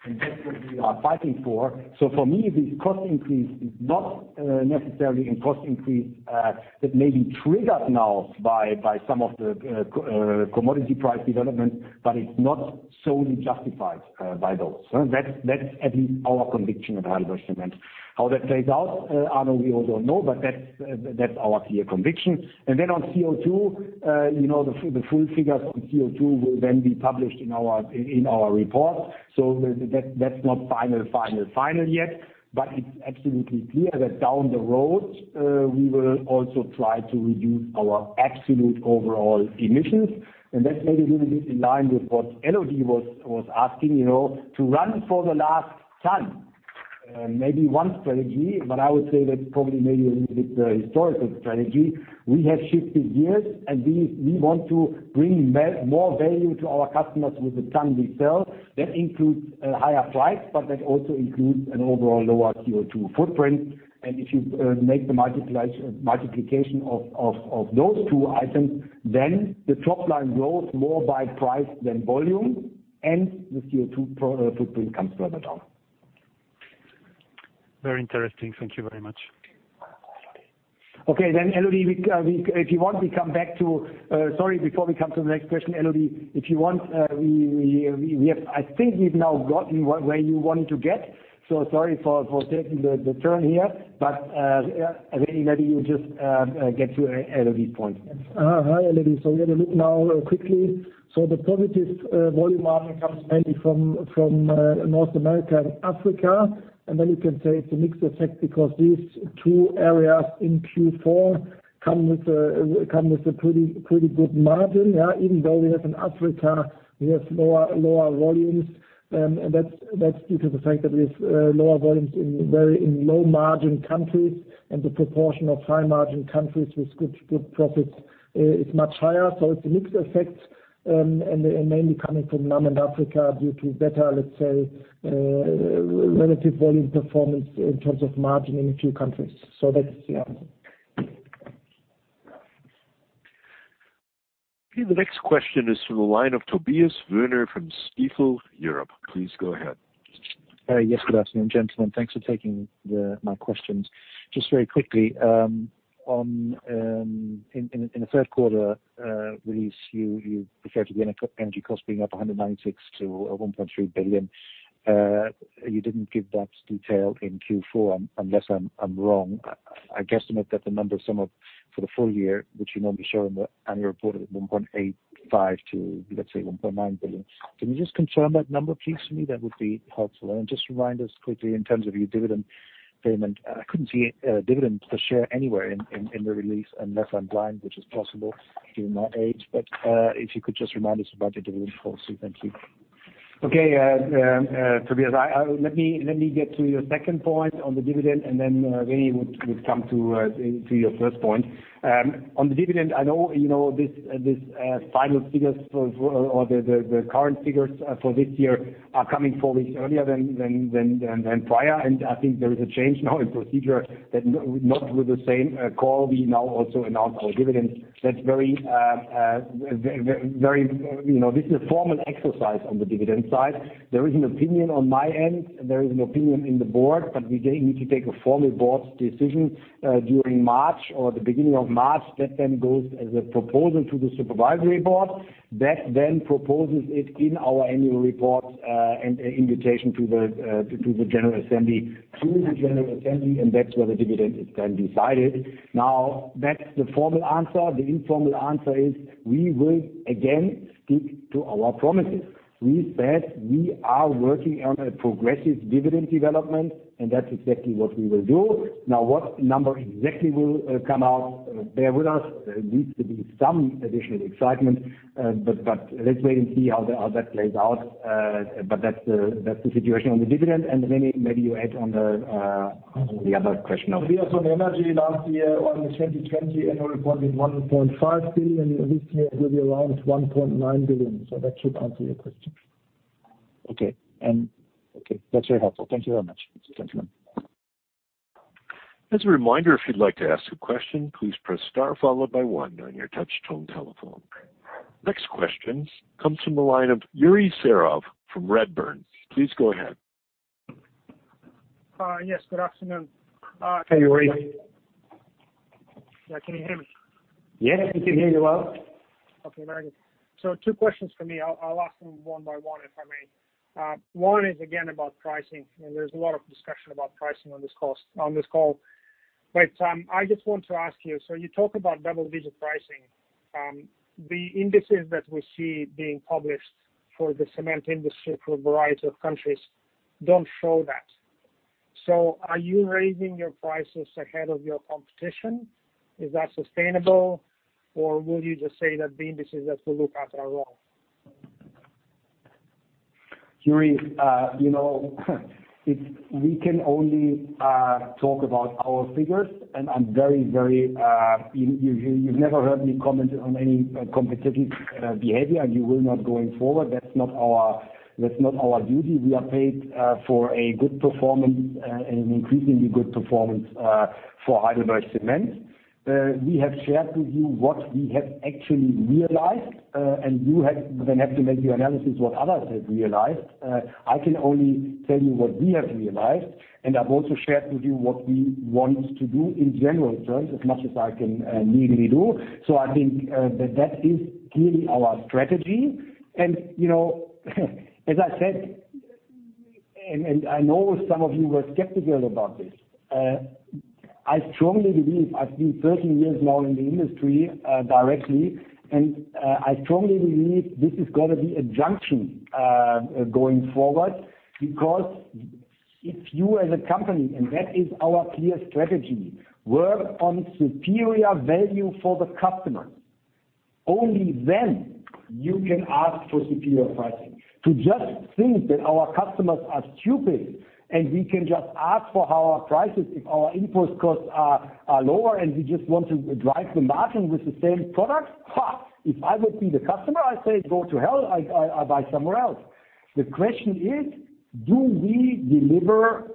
and that's what we are fighting for. For me, this cost increase is not necessarily a cost increase that may be triggered now by some of the commodity price development, but it's not solely justified by those. That's at least our conviction at HeidelbergCement. How that plays out, Arno, we also don't know, but that's our clear conviction. On CO2, you know, the full figures on CO2 will then be published in our report. That's not final yet, but it's absolutely clear that down the road we will also try to reduce our absolute overall emissions. That's maybe a little bit in line with what Elodie was asking, you know, to run for the last ton. Maybe one strategy, but I would say that's probably maybe a little bit historical strategy. We have shifted gears, and we want to bring more value to our customers with the ton we sell. That includes a higher price, but that also includes an overall lower CO2 footprint. If you make the multiplication of those two items, then the top line grows more by price than volume, and the CO2 footprint comes further down. Very interesting. Thank you very much. Sorry, before we come to the next question, Elodie, if you want, I think we've now gotten where you wanted to get. Sorry for taking the turn here, but yeah, maybe you just get to Elodie's point. Hi, Elodie. We have a look now quickly. The positive volume margin comes mainly from North America and Africa. You can say it's a mixed effect because these two areas in Q4 come with a pretty good margin. Yeah. Even though we have in Africa, we have lower volumes, and that's due to the fact that we have lower volumes in low-margin countries, and the proportion of high-margin countries with good profits is much higher. It's a mixed effect, and mainly coming from NAM and Africa due to better, let's say, relative volume performance in terms of margin in a few countries. That's, yeah. Okay. The next question is from the line of Tobias Woerner from Stifel Europe. Please go ahead. Yes. Good afternoon, gentlemen. Thanks for taking my questions. Just very quickly, on the third quarter release, you referred to the energy cost being up 196 million-1.3 billion. You didn't give that detail in Q4, unless I'm wrong. I guesstimate that the numbers sum up for the full year, which you normally show in the annual report at 1.85 billion to, let's say, 1.9 billion. Can you just confirm that number please for me? That would be helpful. Just remind us quickly in terms of your dividend payment. I couldn't see a dividend per share anywhere in the release unless I'm blind, which is possible given my age. If you could just remind us about your dividend policy. Thank you. Tobias, let me get to your second point on the dividend, and then René would come to your first point. On the dividend, I know you know this, the final figures for, or the current figures for this year are coming four weeks earlier than prior. I think there is a change now in procedure that not with the same call. We now also announce our dividends. That's very, you know, this is a formal exercise on the dividend side. There is an opinion on my end, and there is an opinion in the board, but we then need to take a formal board decision during March or the beginning of March. That then goes as a proposal to the supervisory board. That then proposes it in our annual report, and an invitation to the general assembly, and that's where the dividend is then decided. Now, that's the formal answer. The informal answer is we will again stick to our promises. We said we are working on a progressive dividend development, and that's exactly what we will do. Now, what number exactly will come out, bear with us. There needs to be some additional excitement, but let's wait and see how that plays out. But that's the situation on the dividend. René, maybe you add on the other question of- Tobias, on the energy last year, on the 2020 annual report is 1.5 billion. This year it will be around 1.9 billion. That should answer your question. Okay. Okay. That's very helpful. Thank you very much. Thank you. As a reminder, if you'd like to ask a question, please press star followed by one on your touch tone telephone. Next question comes from the line of Yuri Serov from Redburn. Please go ahead. Yes. Good afternoon. Hey, Yuri. Yeah. Can you hear me? Yeah. We can hear you well. Okay, amazing. Two questions for me. I'll ask them one by one, if I may. One is again about pricing, and there's a lot of discussion about pricing on this call. I just want to ask you, so you talk about double-digit pricing. The indices that we see being published for the cement industry for a variety of countries don't show that. Are you raising your prices ahead of your competition? Is that sustainable, or will you just say that the indices that we look at are wrong? Yuri, you know, we can only talk about our figures, and I'm very. You've never heard me comment on any competitive behavior, and you will not going forward. That's not our duty. We are paid for a good performance and an increasingly good performance for Heidelberg Materials. We have shared with you what we have actually realized, and you have to make your analysis what others have realized. I can only tell you what we have realized, and I've also shared with you what we want to do in general terms as much as I can legally do. I think that is clearly our strategy. You know, as I said, I know some of you were skeptical about this. I strongly believe I've been 13 years now in the industry, directly, and I strongly believe this is gonna be a junction going forward. Because if you as a company, and that is our clear strategy, work on superior value for the customer. Only then you can ask for superior pricing. To just think that our customers are stupid, and we can just ask for our prices if our input costs are lower, and we just want to drive the margin with the same product. Ha. If I would be the customer, I'd say, "Go to hell. I'll buy somewhere else." The question is, do we deliver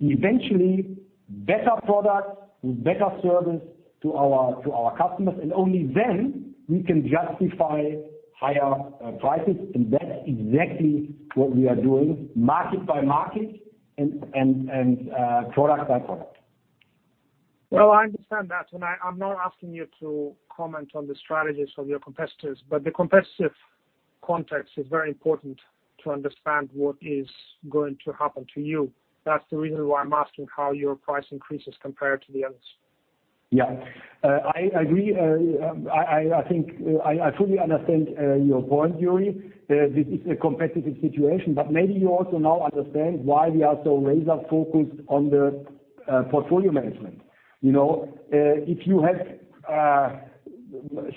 eventually better products with better service to our customers? Only then we can justify higher prices, and that's exactly what we are doing market by market and product by product. Well, I understand that, and I'm not asking you to comment on the strategies of your competitors. The competitive context is very important to understand what is going to happen to you. That's the reason why I'm asking how your price increases compare to the others. Yeah. I agree. I think I fully understand your point, Yuri. This is a competitive situation, but maybe you also now understand why we are so laser-focused on the portfolio management. You know, if you have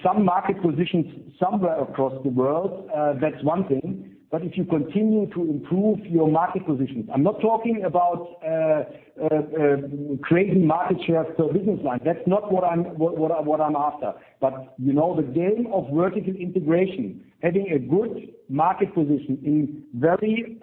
some market positions somewhere across the world, that's one thing. If you continue to improve your market positions, I'm not talking about creating market share for business line. That's not what I'm after. You know, the game of vertical integration, having a good market position in very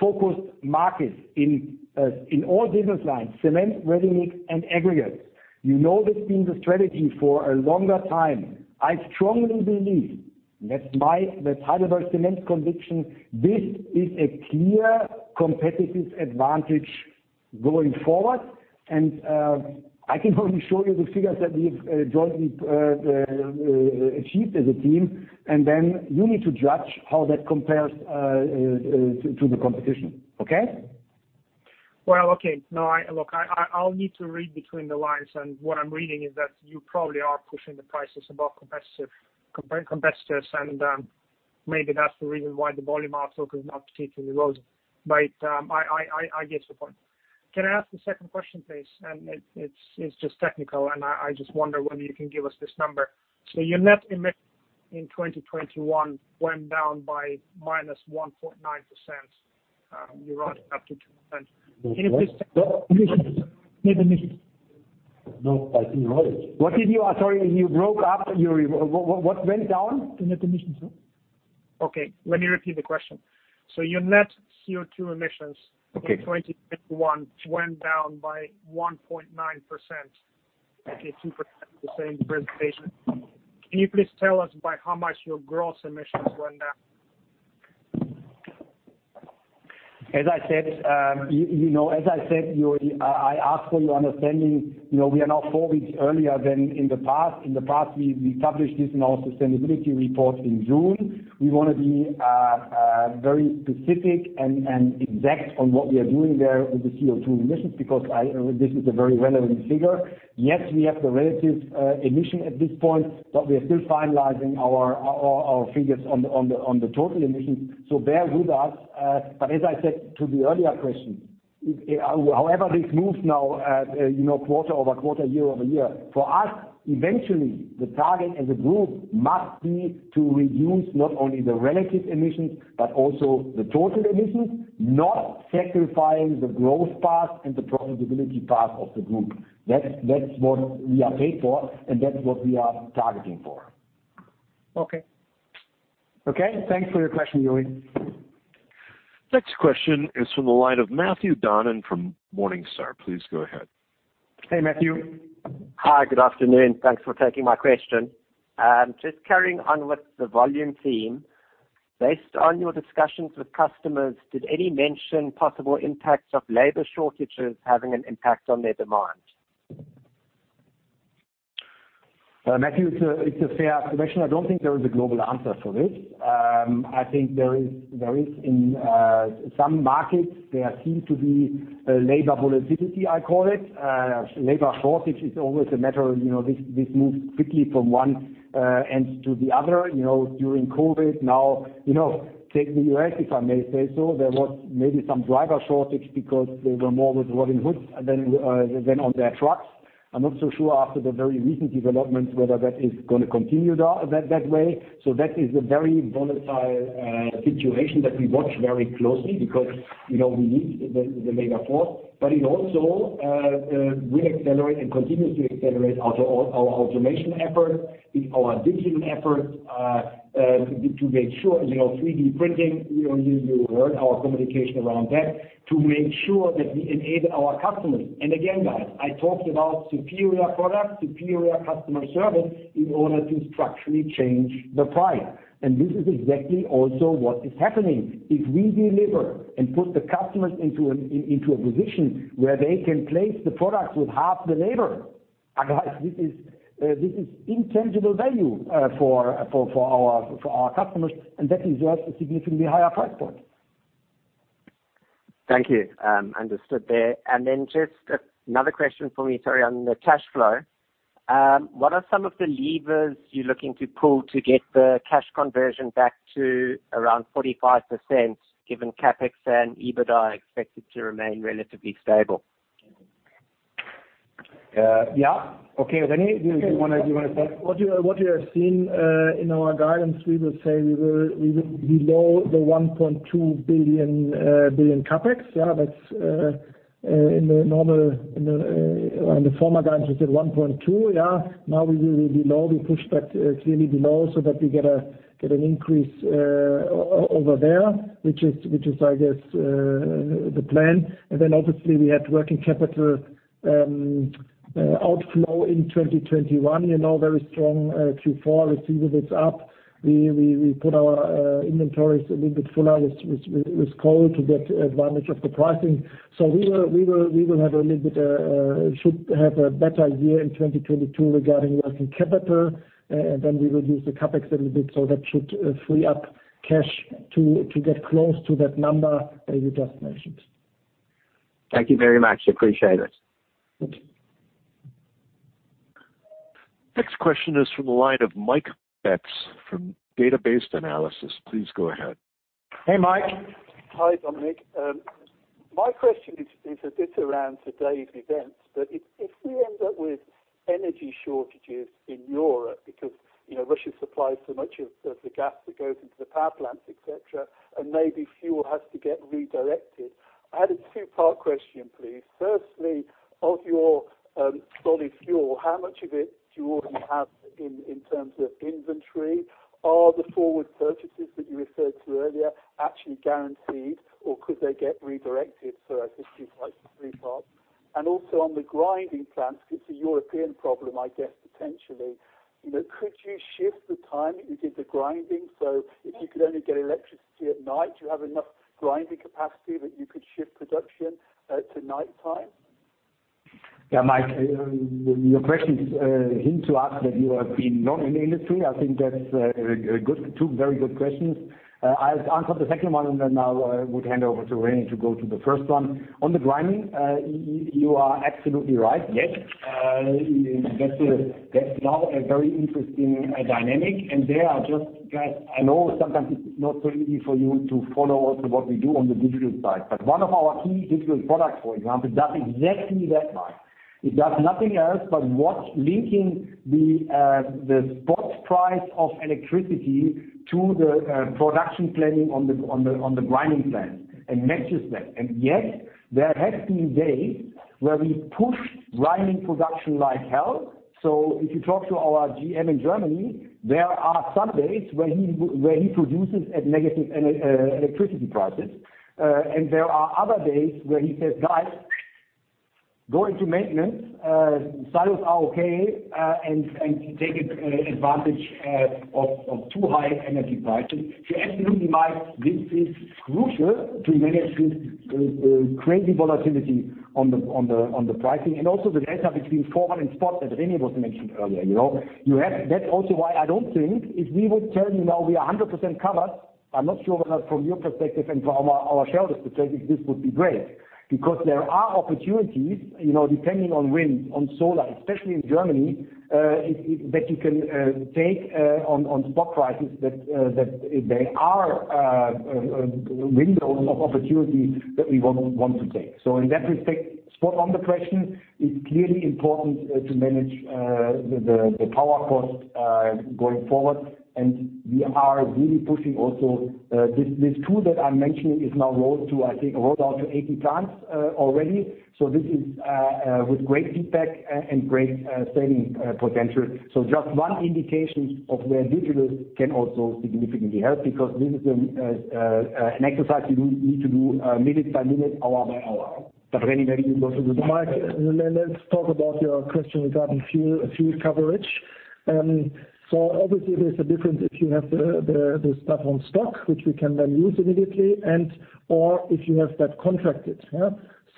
focused markets in all business lines, cement, ready-mix, and aggregates. You know that's been the strategy for a longer time. I strongly believe, and that's my HeidelbergCement conviction, this is a clear competitive advantage going forward. I can only show you the figures that we've jointly achieved as a team, and then you need to judge how that compares to the competition. Okay? Well, okay. No. Look, I’ll need to read between the lines, and what I’m reading is that you probably are pushing the prices above competitors and maybe that’s the reason why the volume outlook is not particularly rosy. I get your point. Can I ask a second question, please? It’s just technical, and I just wonder whether you can give us this number. Your net emission in 2021 went down by -1.9%, or up to 10%. Can you please- What? Net emissions. No, I think. What did you? I'm sorry, you broke up, Yuri. What went down? The net emissions, sir. Okay, let me repeat the question. Your net CO2 emissions. Okay. In 2021 went down by 1.9%. Okay. 2% the same presentation. Can you please tell us by how much your gross emissions went down? As I said, you know, as I said, Yuri, I ask for your understanding. You know, we are now four weeks earlier than in the past. In the past, we published this in our sustainability report in June. We wanna be very specific and exact on what we are doing there with the CO2 emissions because this is a very relevant figure. Yes, we have the relative emission at this point, but we are still finalizing our figures on the total emissions, so bear with us. As I said to the earlier question, however, this moves now, you know, quarter-over-quarter, year-over-year. For us, eventually, the target as a group must be to reduce not only the relative emissions, but also the total emissions, not sacrificing the growth path and the profitability path of the group. That's what we are paid for, and that's what we are targeting for. Okay. Okay? Thanks for your question, Yuri. Next question is from the line of Matthew Donnan from Morningstar. Please go ahead. Hey, Matthew. Hi, good afternoon. Thanks for taking my question. Just carrying on with the volume theme. Based on your discussions with customers, did any mention possible impacts of labor shortages having an impact on their demand? Matthew, it's a fair question. I don't think there is a global answer for this. I think there is, in some markets, there seem to be labor volatility, I call it. Labor shortage is always a matter, you know, this moves quickly from one end to the other, you know, during COVID. Now, you know, take the U.S., if I may say so, there was maybe some driver shortage because they were more with Robinhood than on their trucks. I'm not so sure after the very recent developments whether that is gonna continue that way. That is a very volatile situation that we watch very closely because, you know, we need the labor force. It also reaccelerate and continues to accelerate our automation efforts, our digital efforts to make sure, you know, 3D printing, you heard our communication around that, to make sure that we enable our customers. Again, guys, I talked about superior products, superior customer service in order to structurally change the price. This is exactly also what is happening. If we deliver and put the customers into a position where they can place the products with half the labor, guys, this is intangible value for our customers, and that deserves a significantly higher price point. Thank you. Understood there. Just another question for me, sorry, on the cash flow. What are some of the levers you're looking to pull to get the cash conversion back to around 45%, given CapEx and EBITDA are expected to remain relatively stable? Yeah. Okay, René, you wanna start? What you have seen in our guidance, we will say we will be below the 1.2 billion CapEx. That's in the former guidance was at 1.2. Now we will be below. We pushed that clearly below so that we get an increase over there, which is I guess the plan. Then obviously we had working capital outflow in 2021, you know, very strong Q4. Receivables up. We put our inventories a little bit fuller with coal to get advantage of the pricing. We will have a little bit, should have a better year in 2022 regarding working capital, then we reduce the CapEx a little bit, so that should free up cash to get close to that number that you just mentioned. Thank you very much. Appreciate it. Thank you. Next question is from the line of Mike Betts from Jefferies. Please go ahead. Hey, Mike. Hi, Dominik. My question is a bit around today's events, but if we end up with energy shortages in Europe because, you know, Russia supplies so much of the gas that goes into the power plants, et cetera, and maybe fuel has to get redirected. I had a two-part question, please. Firstly, of your solid fuel, how much of it do you already have in terms of inventory? Are the forward purchases that you referred to earlier actually guaranteed, or could they get redirected? So I guess it's like three parts. Also on the grinding plants, it's a European problem, I guess potentially. You know, could you shift the time you did the grinding? So if you could only get electricity at night, do you have enough grinding capacity that you could shift production to nighttime? Yeah, Mike, your questions hint to us that you have been long in the industry. I think that's two very good questions. I'll answer the second one, and then I would hand over to René to go to the first one. On the grinding, you are absolutely right. Yes, that's now a very interesting dynamic. Guys, I know sometimes it's not so easy for you to follow also what we do on the digital side. One of our key digital products, for example, does exactly that, Mike. It does nothing else but what's linking the spot price of electricity to the production planning on the grinding plant and matches that. Yes, there have been days where we pushed grinding production like hell. If you talk to our GM in Germany, there are some days where he produces at negative electricity prices. There are other days where he says, "Guys, go into maintenance, silos are okay, and take advantage of too high energy prices." Absolutely, Mike, this is crucial to manage this crazy volatility on the pricing, and also the delta between forward and spot, as René also mentioned earlier. You know you have that. That's also why I don't think if we would tell you now we are 100% covered, I'm not sure whether from your perspective and from our shareholders' perspective, this would be great. Because there are opportunities, you know, depending on wind, on solar, especially in Germany, that you can take on spot prices that there are window of opportunity that we want to take. In that respect, spot on the question. It's clearly important to manage the power cost going forward. We are really pushing also this tool that I'm mentioning is now rolled out to 80 plants already. This is with great feedback and great saving potential. Just one indication of where digital can also significantly help because this is an exercise you need to do minute by minute, hour by hour. René, maybe you go to the- Mike, let's talk about your question regarding fuel coverage. Obviously there's a difference if you have the stuff in stock, which we can then use immediately and/or if you have that contracted.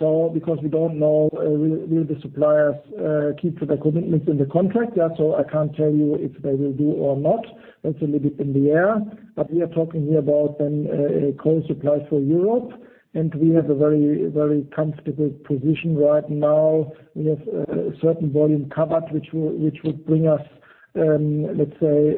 Because we don't know will the suppliers keep to their commitments in the contract. I can't tell you if they will do or not. That's a little bit in the air. We are talking here about a coal supply for Europe, and we have a very comfortable position right now. We have a certain volume covered, which would bring us, let's say,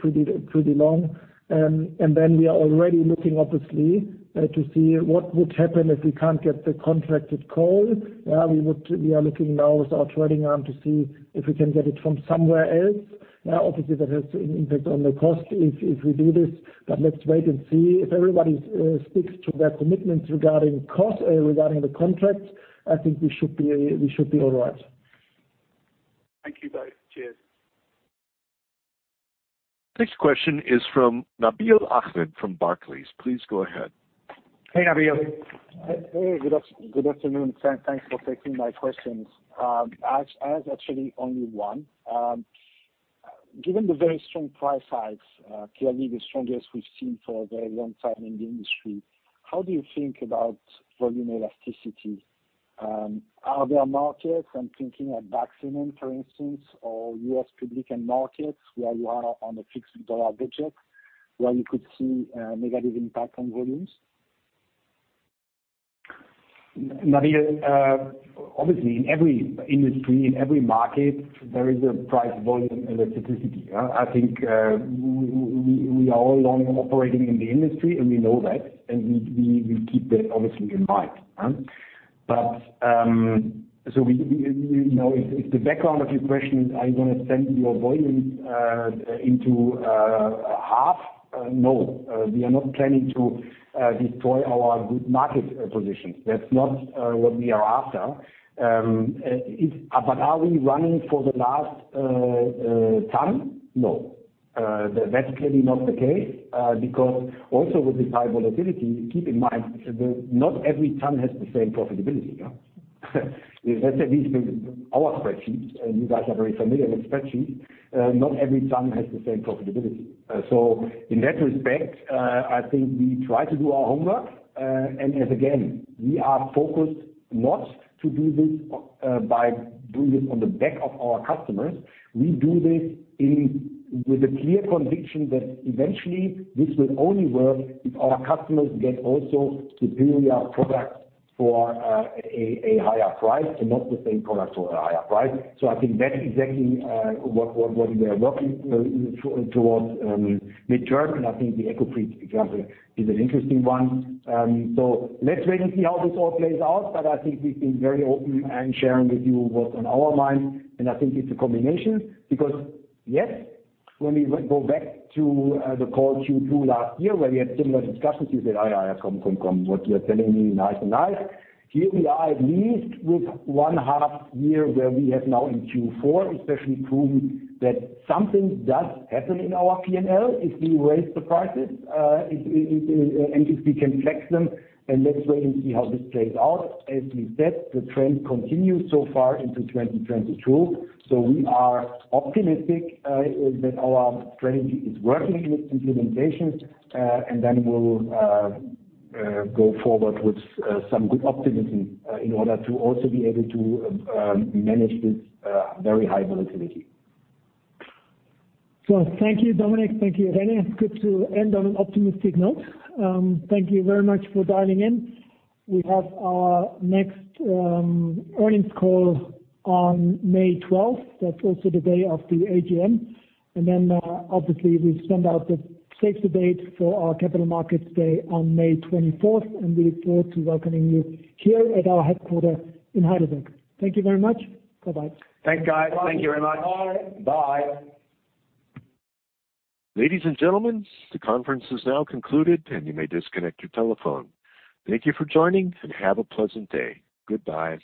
pretty long. We are already looking obviously to see what would happen if we can't get the contracted coal. Yeah, we are looking now with our trading arm to see if we can get it from somewhere else. Now obviously that has an impact on the cost if we do this. Let's wait and see. If everybody sticks to their commitments regarding cost, regarding the contract, I think we should be all right. Thank you both. Cheers. Next question is from Nabil Ahmed from Barclays. Please go ahead. Hey, Nabil. Hey, good afternoon. Thanks for taking my questions. I actually have only one. Given the very strong price hikes, clearly the strongest we've seen for a very long time in the industry, how do you think about volume elasticity? Are there markets, I'm thinking at Baxenden, for instance, or U.S. public end markets where you are on a fixed dollar budget, where you could see negative impact on volumes? Nabil, obviously in every industry, in every market, there is a price volume elasticity. I think we are all long operating in the industry, and we know that, and we keep that obviously in mind. You know, if the background of your question is are you gonna send your volume into half? No. We are not planning to destroy our good market position. That's not what we are after. Are we running for the last ton? No. That's clearly not the case because also with this high volatility, keep in mind not every ton has the same profitability, yeah? Let's say this is our spreadsheets, and you guys are very familiar with spreadsheets. Not every ton has the same profitability. In that respect, I think we try to do our homework. As again, we are focused not to do this by doing it on the back of our customers. We do this with a clear conviction that eventually this will only work if our customers get also superior products for a higher price and not the same product for a higher price. I think that is exactly what we are working towards mid-term, and I think the EcoCrete example is an interesting one. Let's wait and see how this all plays out, but I think we've been very open in sharing with you what's on our minds. I think it's a combination because, yes, when we go back to the call Q2 last year where we had similar discussions, you said, "Oh, yeah. Come. What you are telling me, nice." Here we are at least with one half year where we have now in Q4 especially proven that something does happen in our P&L if we raise the prices, if and if we can flex them, and let's wait and see how this plays out. As we said, the trend continues so far into 2022. We are optimistic that our strategy is working in its implementation, and then we'll go forward with some good optimism in order to also be able to manage this very high volatility. Thank you, Dominik. Thank you, René. It's good to end on an optimistic note. Thank you very much for dialing in. We have our next earnings call on May 12. That's also the day of the AGM. Obviously, we send out the save the date for our capital markets day on May 24, and we look forward to welcoming you here at our headquarters in Heidelberg. Thank you very much. Bye-bye. Thanks, guys. Thank you very much. Bye. Bye. Ladies and gentlemen, the conference is now concluded, and you may disconnect your telephone. Thank you for joining, and have a pleasant day. Goodbye.